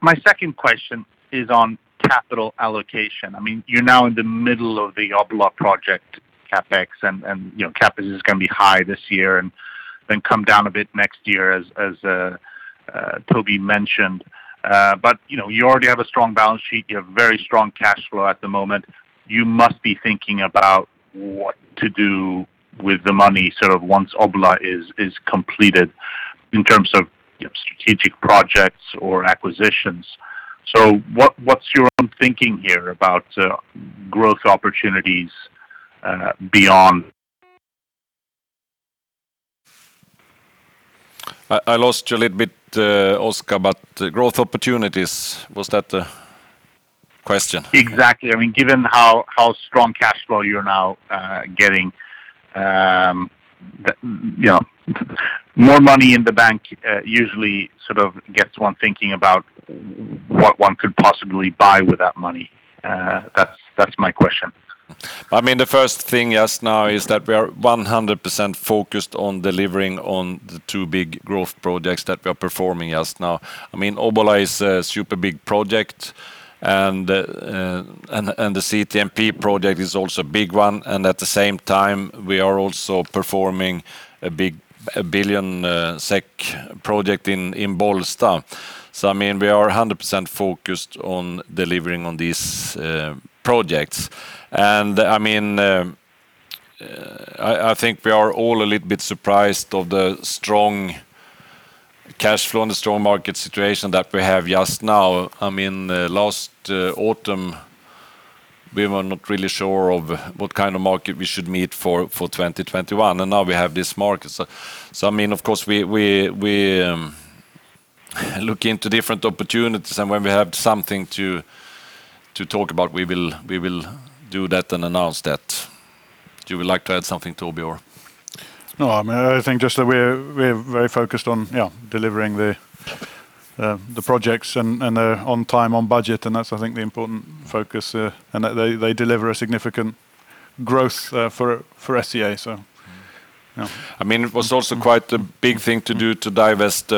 My second question is on capital allocation. You're now in the middle of the Obbola project, CapEx, and CapEx is going to be high this year and then come down a bit next year as Toby mentioned. You already have a strong balance sheet. You have very strong cash flow at the moment. You must be thinking about what to do with the money sort of once Obbola is completed in terms of strategic projects or acquisitions. What's your own thinking here about growth opportunities beyond? I lost you a little bit, Oskar, but growth opportunities, was that the question? Exactly. Given how strong cash flow you're now getting. More money in the bank usually sort of gets one thinking about what one could possibly buy with that money. That's my question. The first thing just now is that we are 100% focused on delivering on the two big growth projects that we are performing just now. Obbola is a super big project. The CTMP project is also a big one, and at the same time, we are also performing a big billion SEK project in Bollsta. We are 100% focused on delivering on these projects. I think we are all a little bit surprised of the strong cash flow and the strong market situation that we have just now. Last autumn, we were not really sure of what kind of market we should meet for 2021, and now we have this market. Of course, we look into different opportunities, and when we have something to talk about, we will do that and announce that. Would you like to add something, Toby, or? No, I think just that we are very focused on delivering the projects and on time, on budget, and that's, I think, the important focus. They deliver a significant growth for SCA, yeah. It was also quite a big thing to do to divest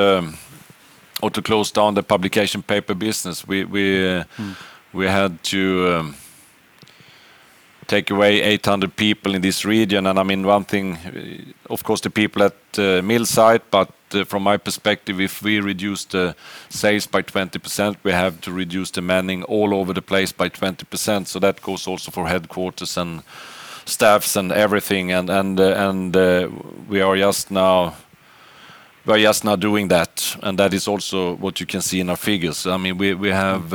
or to close down the publication paper business. We had to take away 800 people in this region. One thing, of course, the people at mill site, but from my perspective, if we reduce the sales by 20%, we have to reduce the manning all over the place by 20%. That goes also for headquarters and staffs and everything, and we are just now doing that, and that is also what you can see in our figures. We have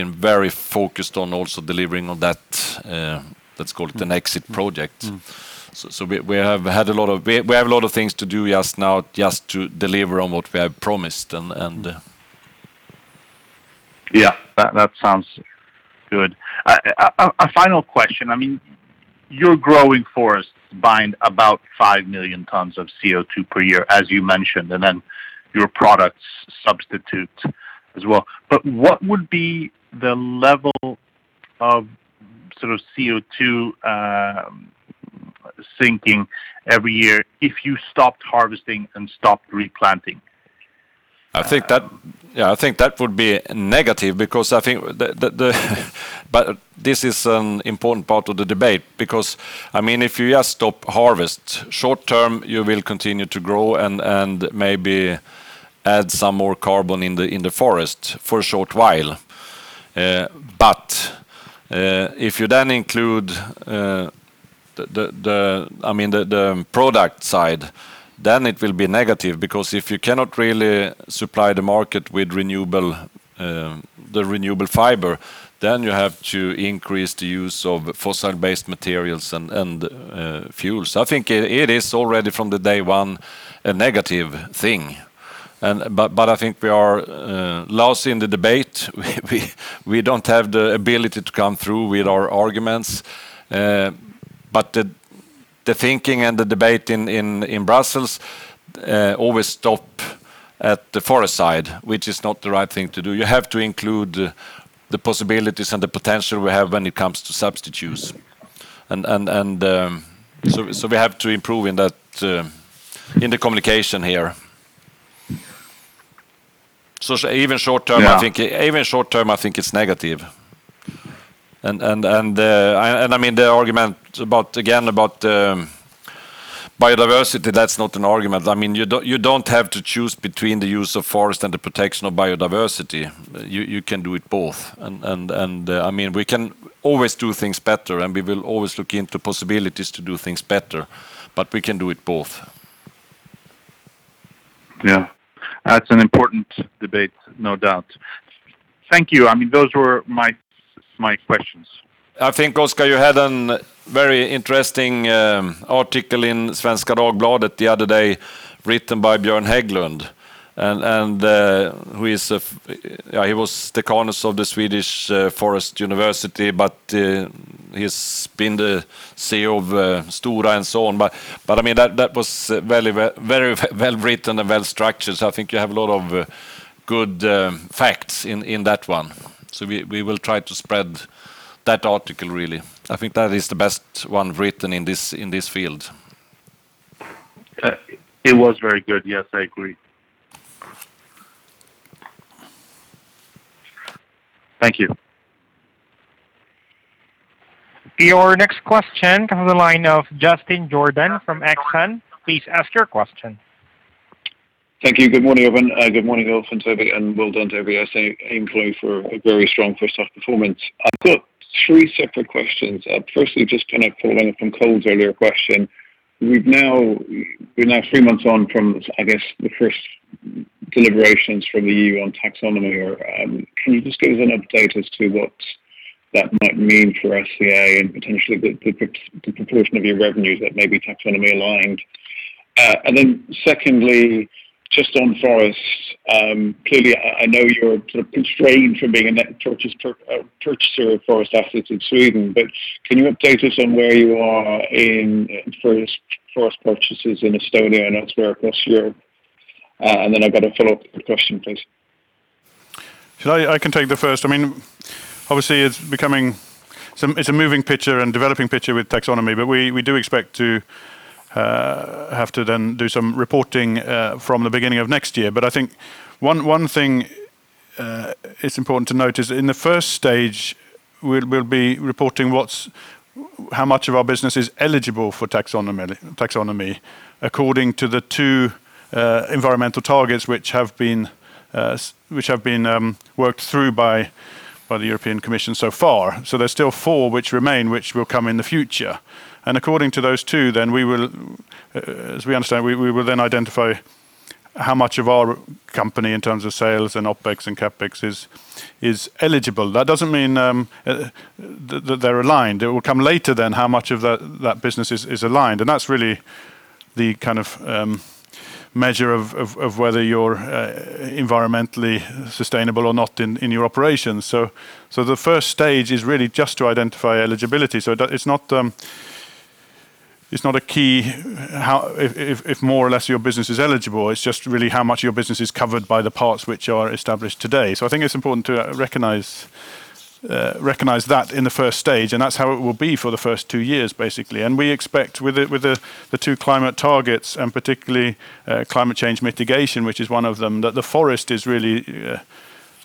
been very focused on also delivering on that. That's called an exit project. We have a lot of things to do just now just to deliver on what we have promised. Yeah, that sounds good. A final question. Your growing forests bind about five million tons of CO2 per year, as you mentioned, and then your products substitute as well. What would be the level of CO2 sinking every year if you stopped harvesting and stopped replanting? I think that would be negative because I think this is an important part of the debate because, if you just stop harvest, short term, you will continue to grow and maybe add some more carbon in the forest for a short while. If you then include the product side, then it will be negative because if you cannot really supply the market with the renewable fiber, then you have to increase the use of fossil-based materials and fuels. I think it is already from the day one a negative thing. I think we are losing the debate. We don't have the ability to come through with our arguments. The thinking and the debate in Brussels always stop at the forest side, which is not the right thing to do. You have to include the possibilities and the potential we have when it comes to substitutes. We have to improve in the communication here. Even short term. Yeah I think it's negative. The argument, again, about biodiversity, that's not an argument. You don't have to choose between the use of forest and the protection of biodiversity. You can do it both. We can always do things better, and we will always look into possibilities to do things better, but we can do it both. Yeah. That's an important debate, no doubt. Thank you. Those were my questions. I think, Oskar, you had a very interesting article in "Svenska Dagbladet" the other day written by Björn Hägglund. He was the [Dean of Faculty of Forestry in the Swedish University of Agricultural Sciences], but he's been the CEO of Stora and so on. That was very well-written and well-structured. I think you have a lot of good facts in that one. We will try to spread that article, really. I think that is the best one written in this field. It was very good. Yes, I agree. Thank you. Your next question comes on the line of Justin Jordan from Exane. Please ask your question. Thank you. Good morning, everyone. Good morning, Ulf and Toby, well done to every SCA employee for a very strong first half performance. I've got three separate questions. Firstly, just following up from Cole's earlier question, we're now three months on from, I guess, the first deliberations from the EU taxonomy. Can you just give us an update as to what that might mean for SCA and potentially the proportion of your revenues that may be taxonomy-aligned? Secondly, just on forests, clearly, I know you're constrained from being a net purchaser of forest assets in Sweden, can you update us on where you are in forest purchases in Estonia and elsewhere across Europe? I've got a follow-up question, please. I can take the first. Obviously, it's a moving picture and developing picture with taxonomy, but we do expect to have to then do some reporting from the beginning of next year. I think one thing it's important to note is in the first stage, we'll be reporting how much of our business is eligible for taxonomy according to the two environmental targets which have been worked through by the European Commission so far. There's still four which remain, which will come in the future. According to those two, then as we understand, we will then identify how much of our company in terms of sales and OpEx and CapEx is eligible. That doesn't mean that they're aligned. It will come later then how much of that business is aligned. That's really the kind of measure of whether you're environmentally sustainable or not in your operations. The first stage is really just to identify eligibility. It's not a key if more or less your business is eligible, it's just really how much of your business is covered by the parts which are established today. I think it's important to recognize that in the first stage, and that's how it will be for the first two years, basically. We expect with the two climate targets, and particularly Climate Change Mitigation, which is one of them, that the Forest really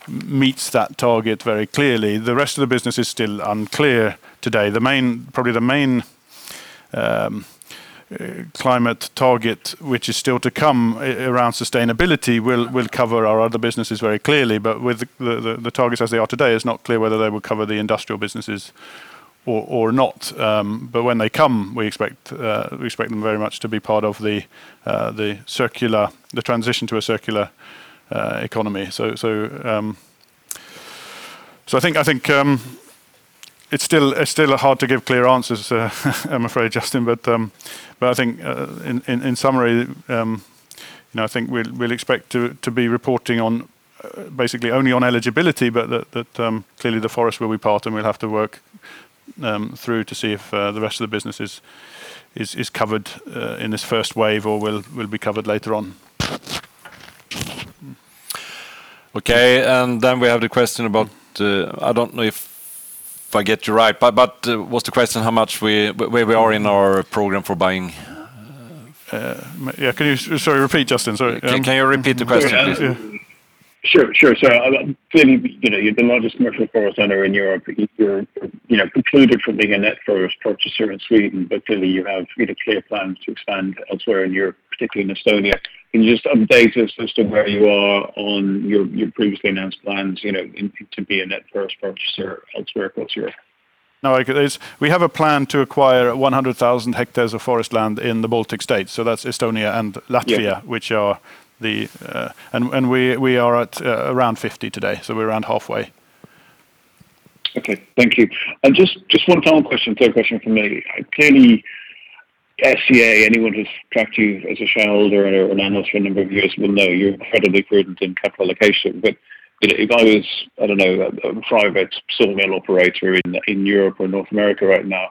meets that target very clearly. The rest of the business is still unclear today. Probably the main climate target, which is still to come around sustainability, will cover our other businesses very clearly. With the targets as they are today, it's not clear whether they will cover the industrial businesses or not. When they come, we expect them very much to be part of the transition to a circular economy. I think it's still hard to give clear answers, I'm afraid, Justin. I think, in summary, we'll expect to be reporting basically only on eligibility, but that clearly the Forest will be part, and we'll have to work through to see if the rest of the business is covered in this first wave or will be covered later on. Okay, we have the question about, I don't know if I get you right, was the question how much where we are in our program for buying? Yeah, can you, sorry, repeat, Justin? Sorry. Can you repeat the question? Sure. Clearly, you're the largest commercial forest owner in Europe. You're concluded from being a net forest purchaser in Sweden. Clearly, you have clear plans to expand elsewhere in Europe, particularly Estonia. Can you just update us as to where you are on your previously announced plans to be a net forest purchaser elsewhere across Europe? No, we have a plan to acquire 100,000 hectares of forest land in the Baltic States, so that is Estonia and Latvia. Yes. We are at around 50 today, so we're around halfway. Okay. Thank you. Just one final question for me. Clearly, SCA, anyone who's tracked you as a shareholder or an analyst for a number of years will know you're incredibly prudent in capital allocation. If I was, I don't know, a private sawmill operator in Europe or North America right now,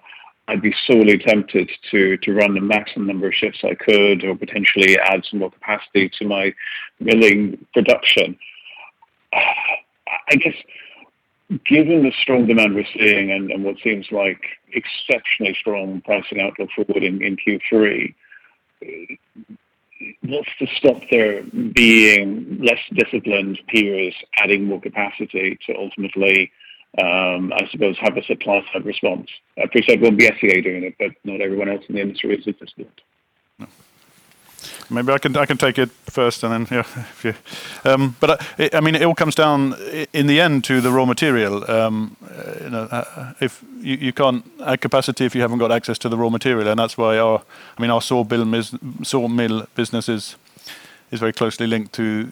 I'd be sorely tempted to run the maximum number of shifts I could or potentially add some more capacity to my milling production. I guess, given the strong demand we're seeing and what seems like exceptionally strong pricing outlook for Wood in Q3, what's to stop there being less disciplined peers adding more capacity to ultimately, I suppose, have a supply side response? I appreciate it won't be SCA doing it, not everyone else in the industry is as disciplined. Maybe I can take it first, and then, yeah. It all comes down, in the end, to the raw material. You can't add capacity if you haven't got access to the raw material, and that's why our sawmill business is very closely linked to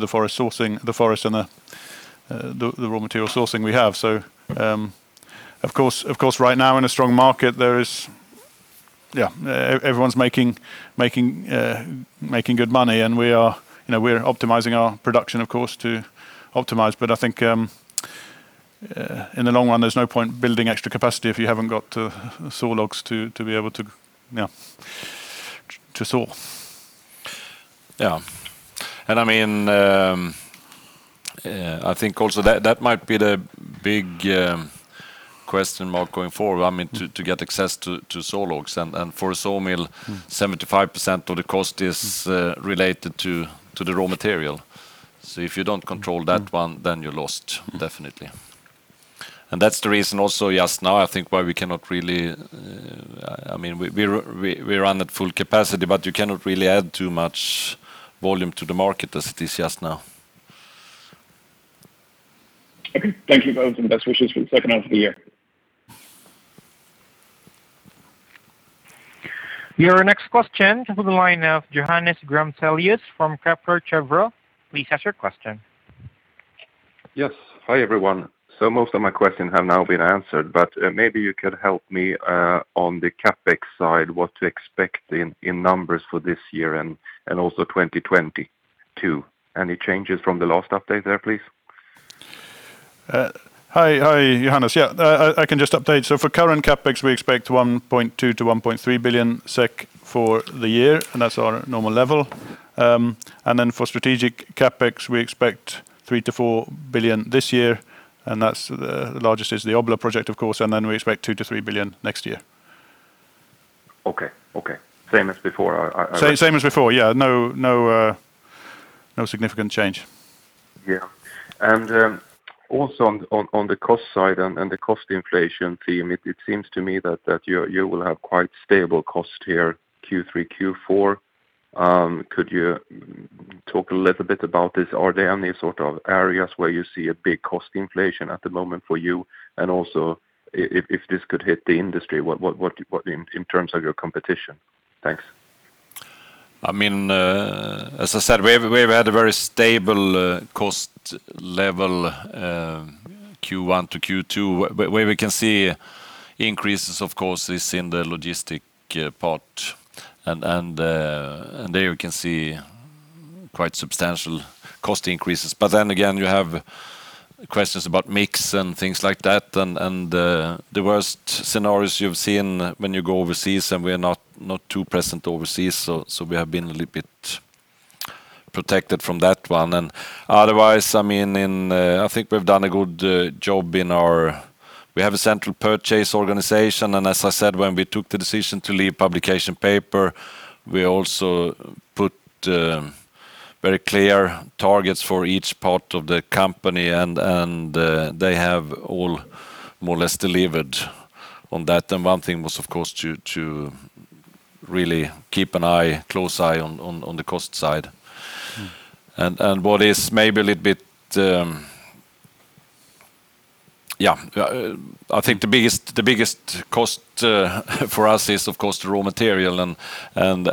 the forest and the raw material sourcing we have. Of course, right now in a strong market, everyone's making good money, and we're optimizing our production, of course, to optimize. I think, in the long run, there's no point building extra capacity if you haven't got saw logs to be able to saw. Yeah. I think also that might be the big question mark going forward, to get access to saw logs. For a sawmill, 75% of the cost is related to the raw material. If you don't control that one, then you're lost, definitely. That's the reason also just now I think why we cannot. We run at full capacity, you cannot really add too much volume to the market as it is just now. Okay. Thank you both, and best wishes for the second half of the year. Your next question from the line of Johannes Grunselius from Kepler Cheuvreux. Please ask your question. Yes. Hi, everyone. Most of my questions have now been answered. Maybe you could help me on the CapEx side, what to expect in numbers for this year and also 2022. Any changes from the last update there, please? Hi, Johannes. Yeah, I can just update. For current CapEx, we expect 1.2 billion-1.3 billion SEK for the year, and that's our normal level. For strategic CapEx, we expect 3 billion-4 billion this year, and the largest is the Obbola project, of course, and then we expect 2 billion-3 billion next year. Okay. Same as before? Same as before. Yeah, no significant change. Yeah. Also on the cost side and the cost inflation theme, it seems to me that you will have quite stable cost here, Q3, Q4. Could you talk a little bit about this? Are there any sort of areas where you see a big cost inflation at the moment for you? Also, if this could hit the industry, in terms of your competition? Thanks. As I said, we've had a very stable cost level, Q1 to Q2. Where we can see increases, of course, is in the Logistics part. There you can see quite substantial cost increases. You have questions about mix and things like that, and the worst scenarios you've seen when you go overseas, and we are not too present overseas, so we have been a little bit protected from that one. Otherwise, I think we've done a good job. We have a central purchase organization, and as I said, when we took the decision to leave publication paper, we also put very clear targets for each part of the company, and they have all more or less delivered on that. One thing was, of course, to really keep a close eye on the cost side. What is maybe I think the biggest cost for us is, of course, the raw material and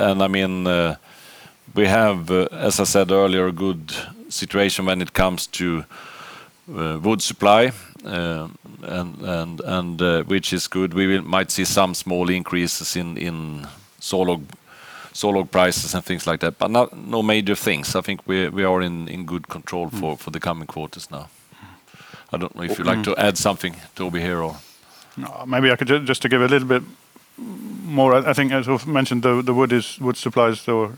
we have, as I said earlier, a good situation when it comes to wood supply, which is good. We might see some small increases in sawlog prices and things like that, but no major things. I think we are in good control for the coming quarters now. I don't know if you'd like to add something, Toby, here or? No. Maybe I could just to give a little bit more, I think as we’ve mentioned, the wood supplies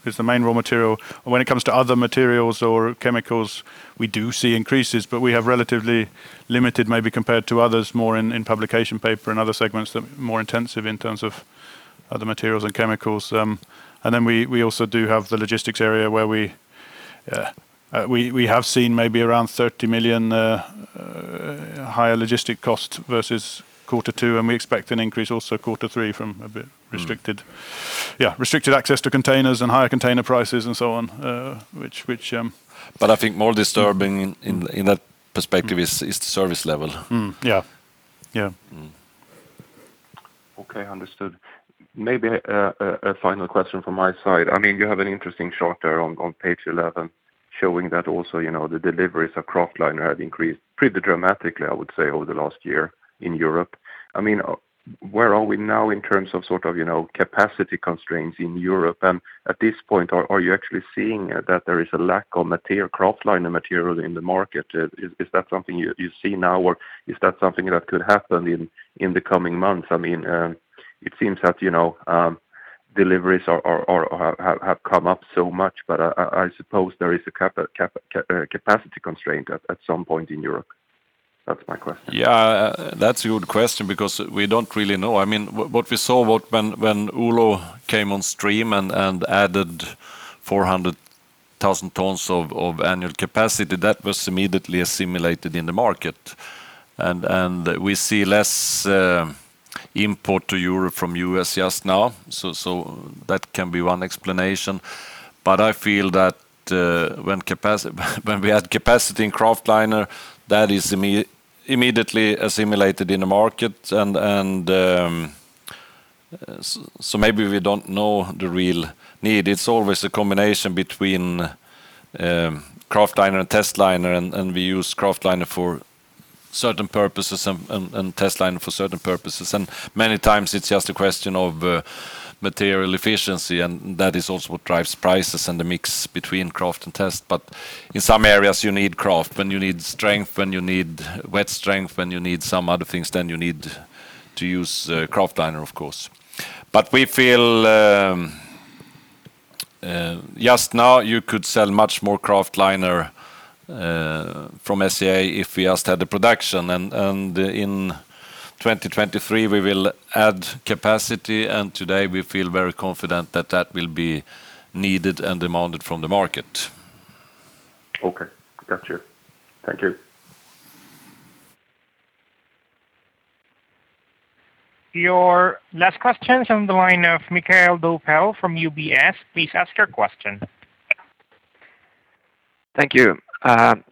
is the main raw material. When it comes to other materials or chemicals, we do see increases. We have relatively limited maybe compared to others more in publication paper and other segments that are more intensive in terms of other materials and chemicals. We also do have the Logistics area where we have seen maybe around 30 million higher logistics cost versus Q2. We expect an increase also Q3 from a bit restricted access to containers and higher container prices and so on. I think more disturbing in that perspective is the service level. Yeah. Okay. Understood. Maybe a final question from my side. You have an interesting chart there on page 11 showing that also the deliveries of kraftliner have increased pretty dramatically, I would say, over the last year in Europe. Where are we now in terms of capacity constraints in Europe? At this point, are you actually seeing that there is a lack of kraftliner material in the market? Is that something you see now, or is that something that could happen in the coming months? It seems that deliveries have come up so much, but I suppose there is a capacity constraint at some point in Europe. That's my question. Yeah, that's a good question because we don't really know. What we saw when Oulu came on stream and added 400,000 tons of annual capacity, that was immediately assimilated in the market. We see less import to Europe from U.S. just now. That can be one explanation. I feel that when we add capacity in kraftliner, that is immediately assimilated in the market, and so maybe we don't know the real need. It's always a combination between kraftliner and testliner, and we use kraftliner for certain purposes and testliner for certain purposes. Many times it's just a question of material efficiency, and that is also what drives prices and the mix between kraft and test. In some areas, you need kraft. When you need strength, when you need wet strength, when you need some other things, then you need to use kraftliner, of course. We feel just now you could sell much more kraftliner from SCA if we just had the production. In 2023, we will add capacity, and today we feel very confident that that will be needed and demanded from the market. Okay, got you. Thank you. Your last question is on the line of Mikael Doepel from UBS. Please ask your question. Thank you.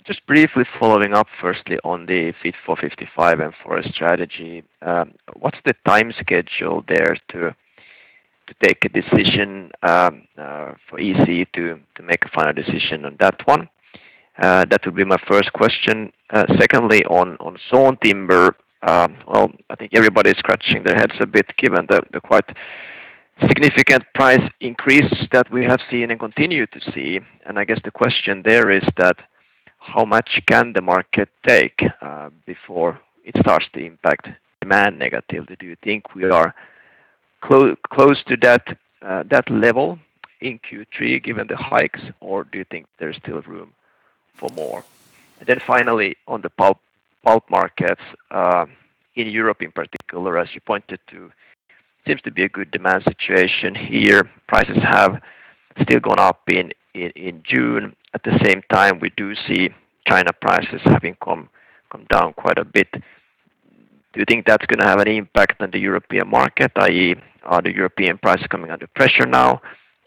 Just briefly following up firstly on the Fit for 55 and Forest strategy. What's the time schedule there to take a decision for the European Commission to make a final decision on that one? That would be my first question. On sawn timber, I think everybody's scratching their heads a bit given the quite significant price increase that we have seen and continue to see. I guess the question there is that how much can the market take before it starts to impact demand negatively? Do you think we are close to that level in Q3 given the hikes, or do you think there's still room for more? Finally, on the Pulp markets in Europe in particular, as you pointed to, seems to be a good demand situation here. Prices have still gone up in June. At the same time, we do see China prices having come down quite a bit. Do you think that's going to have any impact on the European market, i.e., are the European prices coming under pressure now,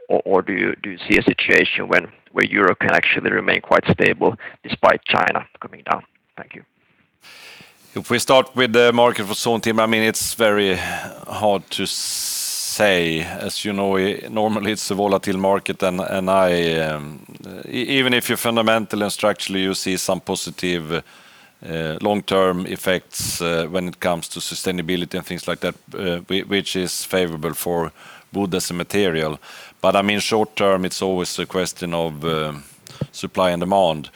or do you see a situation where Europe can actually remain quite stable despite China coming down? Thank you. If we start with the market for sawn timber, it's very hard to say. As you know, normally it's a volatile market, even if you're fundamental and structurally you see some positive long-term effects when it comes to sustainability and things like that, which is favorable for wood as a material. Short-term, it's always a question of supply and demand.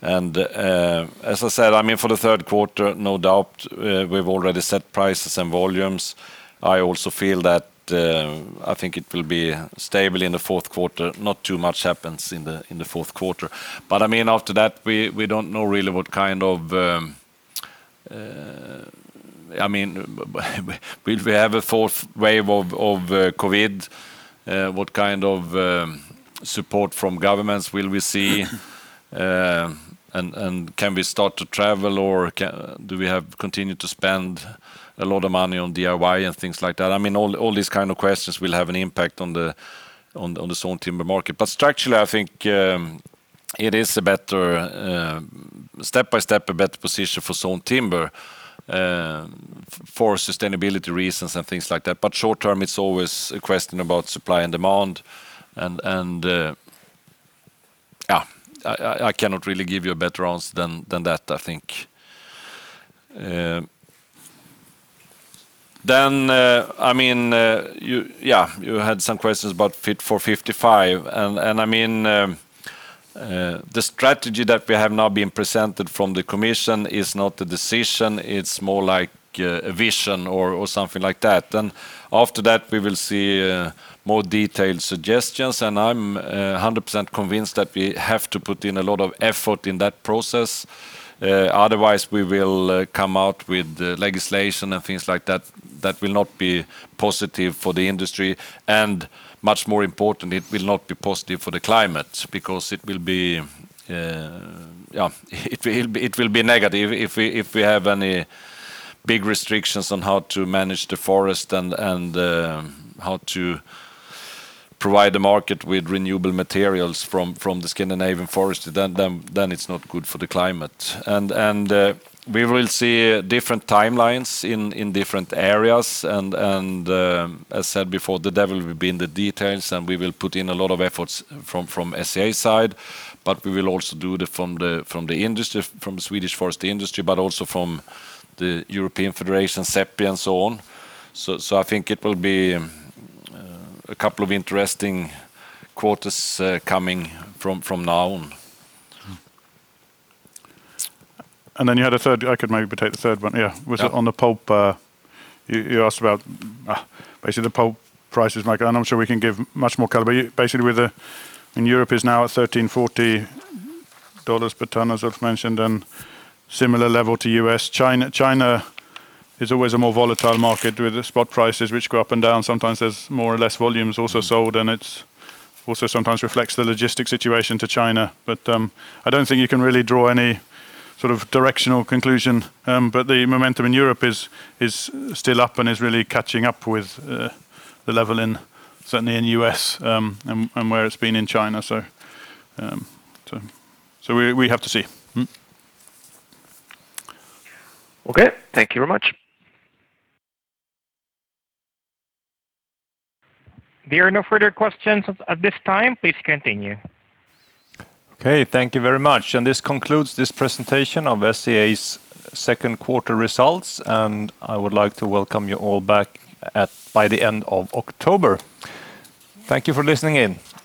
As I said, for the third quarter, no doubt, we've already set prices and volumes. I also feel that, I think it will be stable in the fourth quarter. Not too much happens in the fourth quarter. After that, we don't know really, will we have a fourth wave of COVID? What kind of support from governments will we see? Can we start to travel or do we continue to spend a lot of money on DIY and things like that? All these kind of questions will have an impact on the sawn timber market. Structurally, I think, it is, step by step, a better position for sawn timber for sustainability reasons and things like that. Short-term, it's always a question about supply and demand and I cannot really give you a better answer than that, I think. You had some questions about Fit for 55, and the strategy that we have now been presented from the Commission is not a decision, it's more like a vision or something like that. After that, we will see more detailed suggestions, and I'm 100% convinced that we have to put in a lot of effort in that process, otherwise we will come out with legislation and things like that will not be positive for the industry. Much more important, it will not be positive for the climate because it will be negative if we have any big restrictions on how to manage the forest and how to provide the market with renewable materials from the Scandinavian forest, then it's not good for the climate. We will see different timelines in different areas and, as I said before, the devil will be in the details, and we will put in a lot of efforts from SCA side, but we will also do from the Swedish forest industry, but also from the European Federation, CEPI, and so on. I think it will be a couple of interesting quarters coming from now on. You had a third, I could maybe take the third one. Yeah. Yeah. Was it on the Pulp you asked about, basically the pulp prices? I'm sure we can give much more color. Basically, when Europe is now at $1,340 per ton, as I've mentioned, and similar level to U.S. China is always a more volatile market with the spot prices, which go up and down. Sometimes there's more or less volumes also sold, and it also sometimes reflects the logistics situation to China. I don't think you can really draw any sort of directional conclusion. The momentum in Europe is still up and is really catching up with the level certainly in U.S., and where it's been in China. We have to see. Mm-hmm. Okay. Thank you very much. There are no further questions at this time. Please continue. Okay. Thank you very much. This concludes this presentation of SCA's second quarter results. I would like to welcome you all back by the end of October. Thank you for listening in.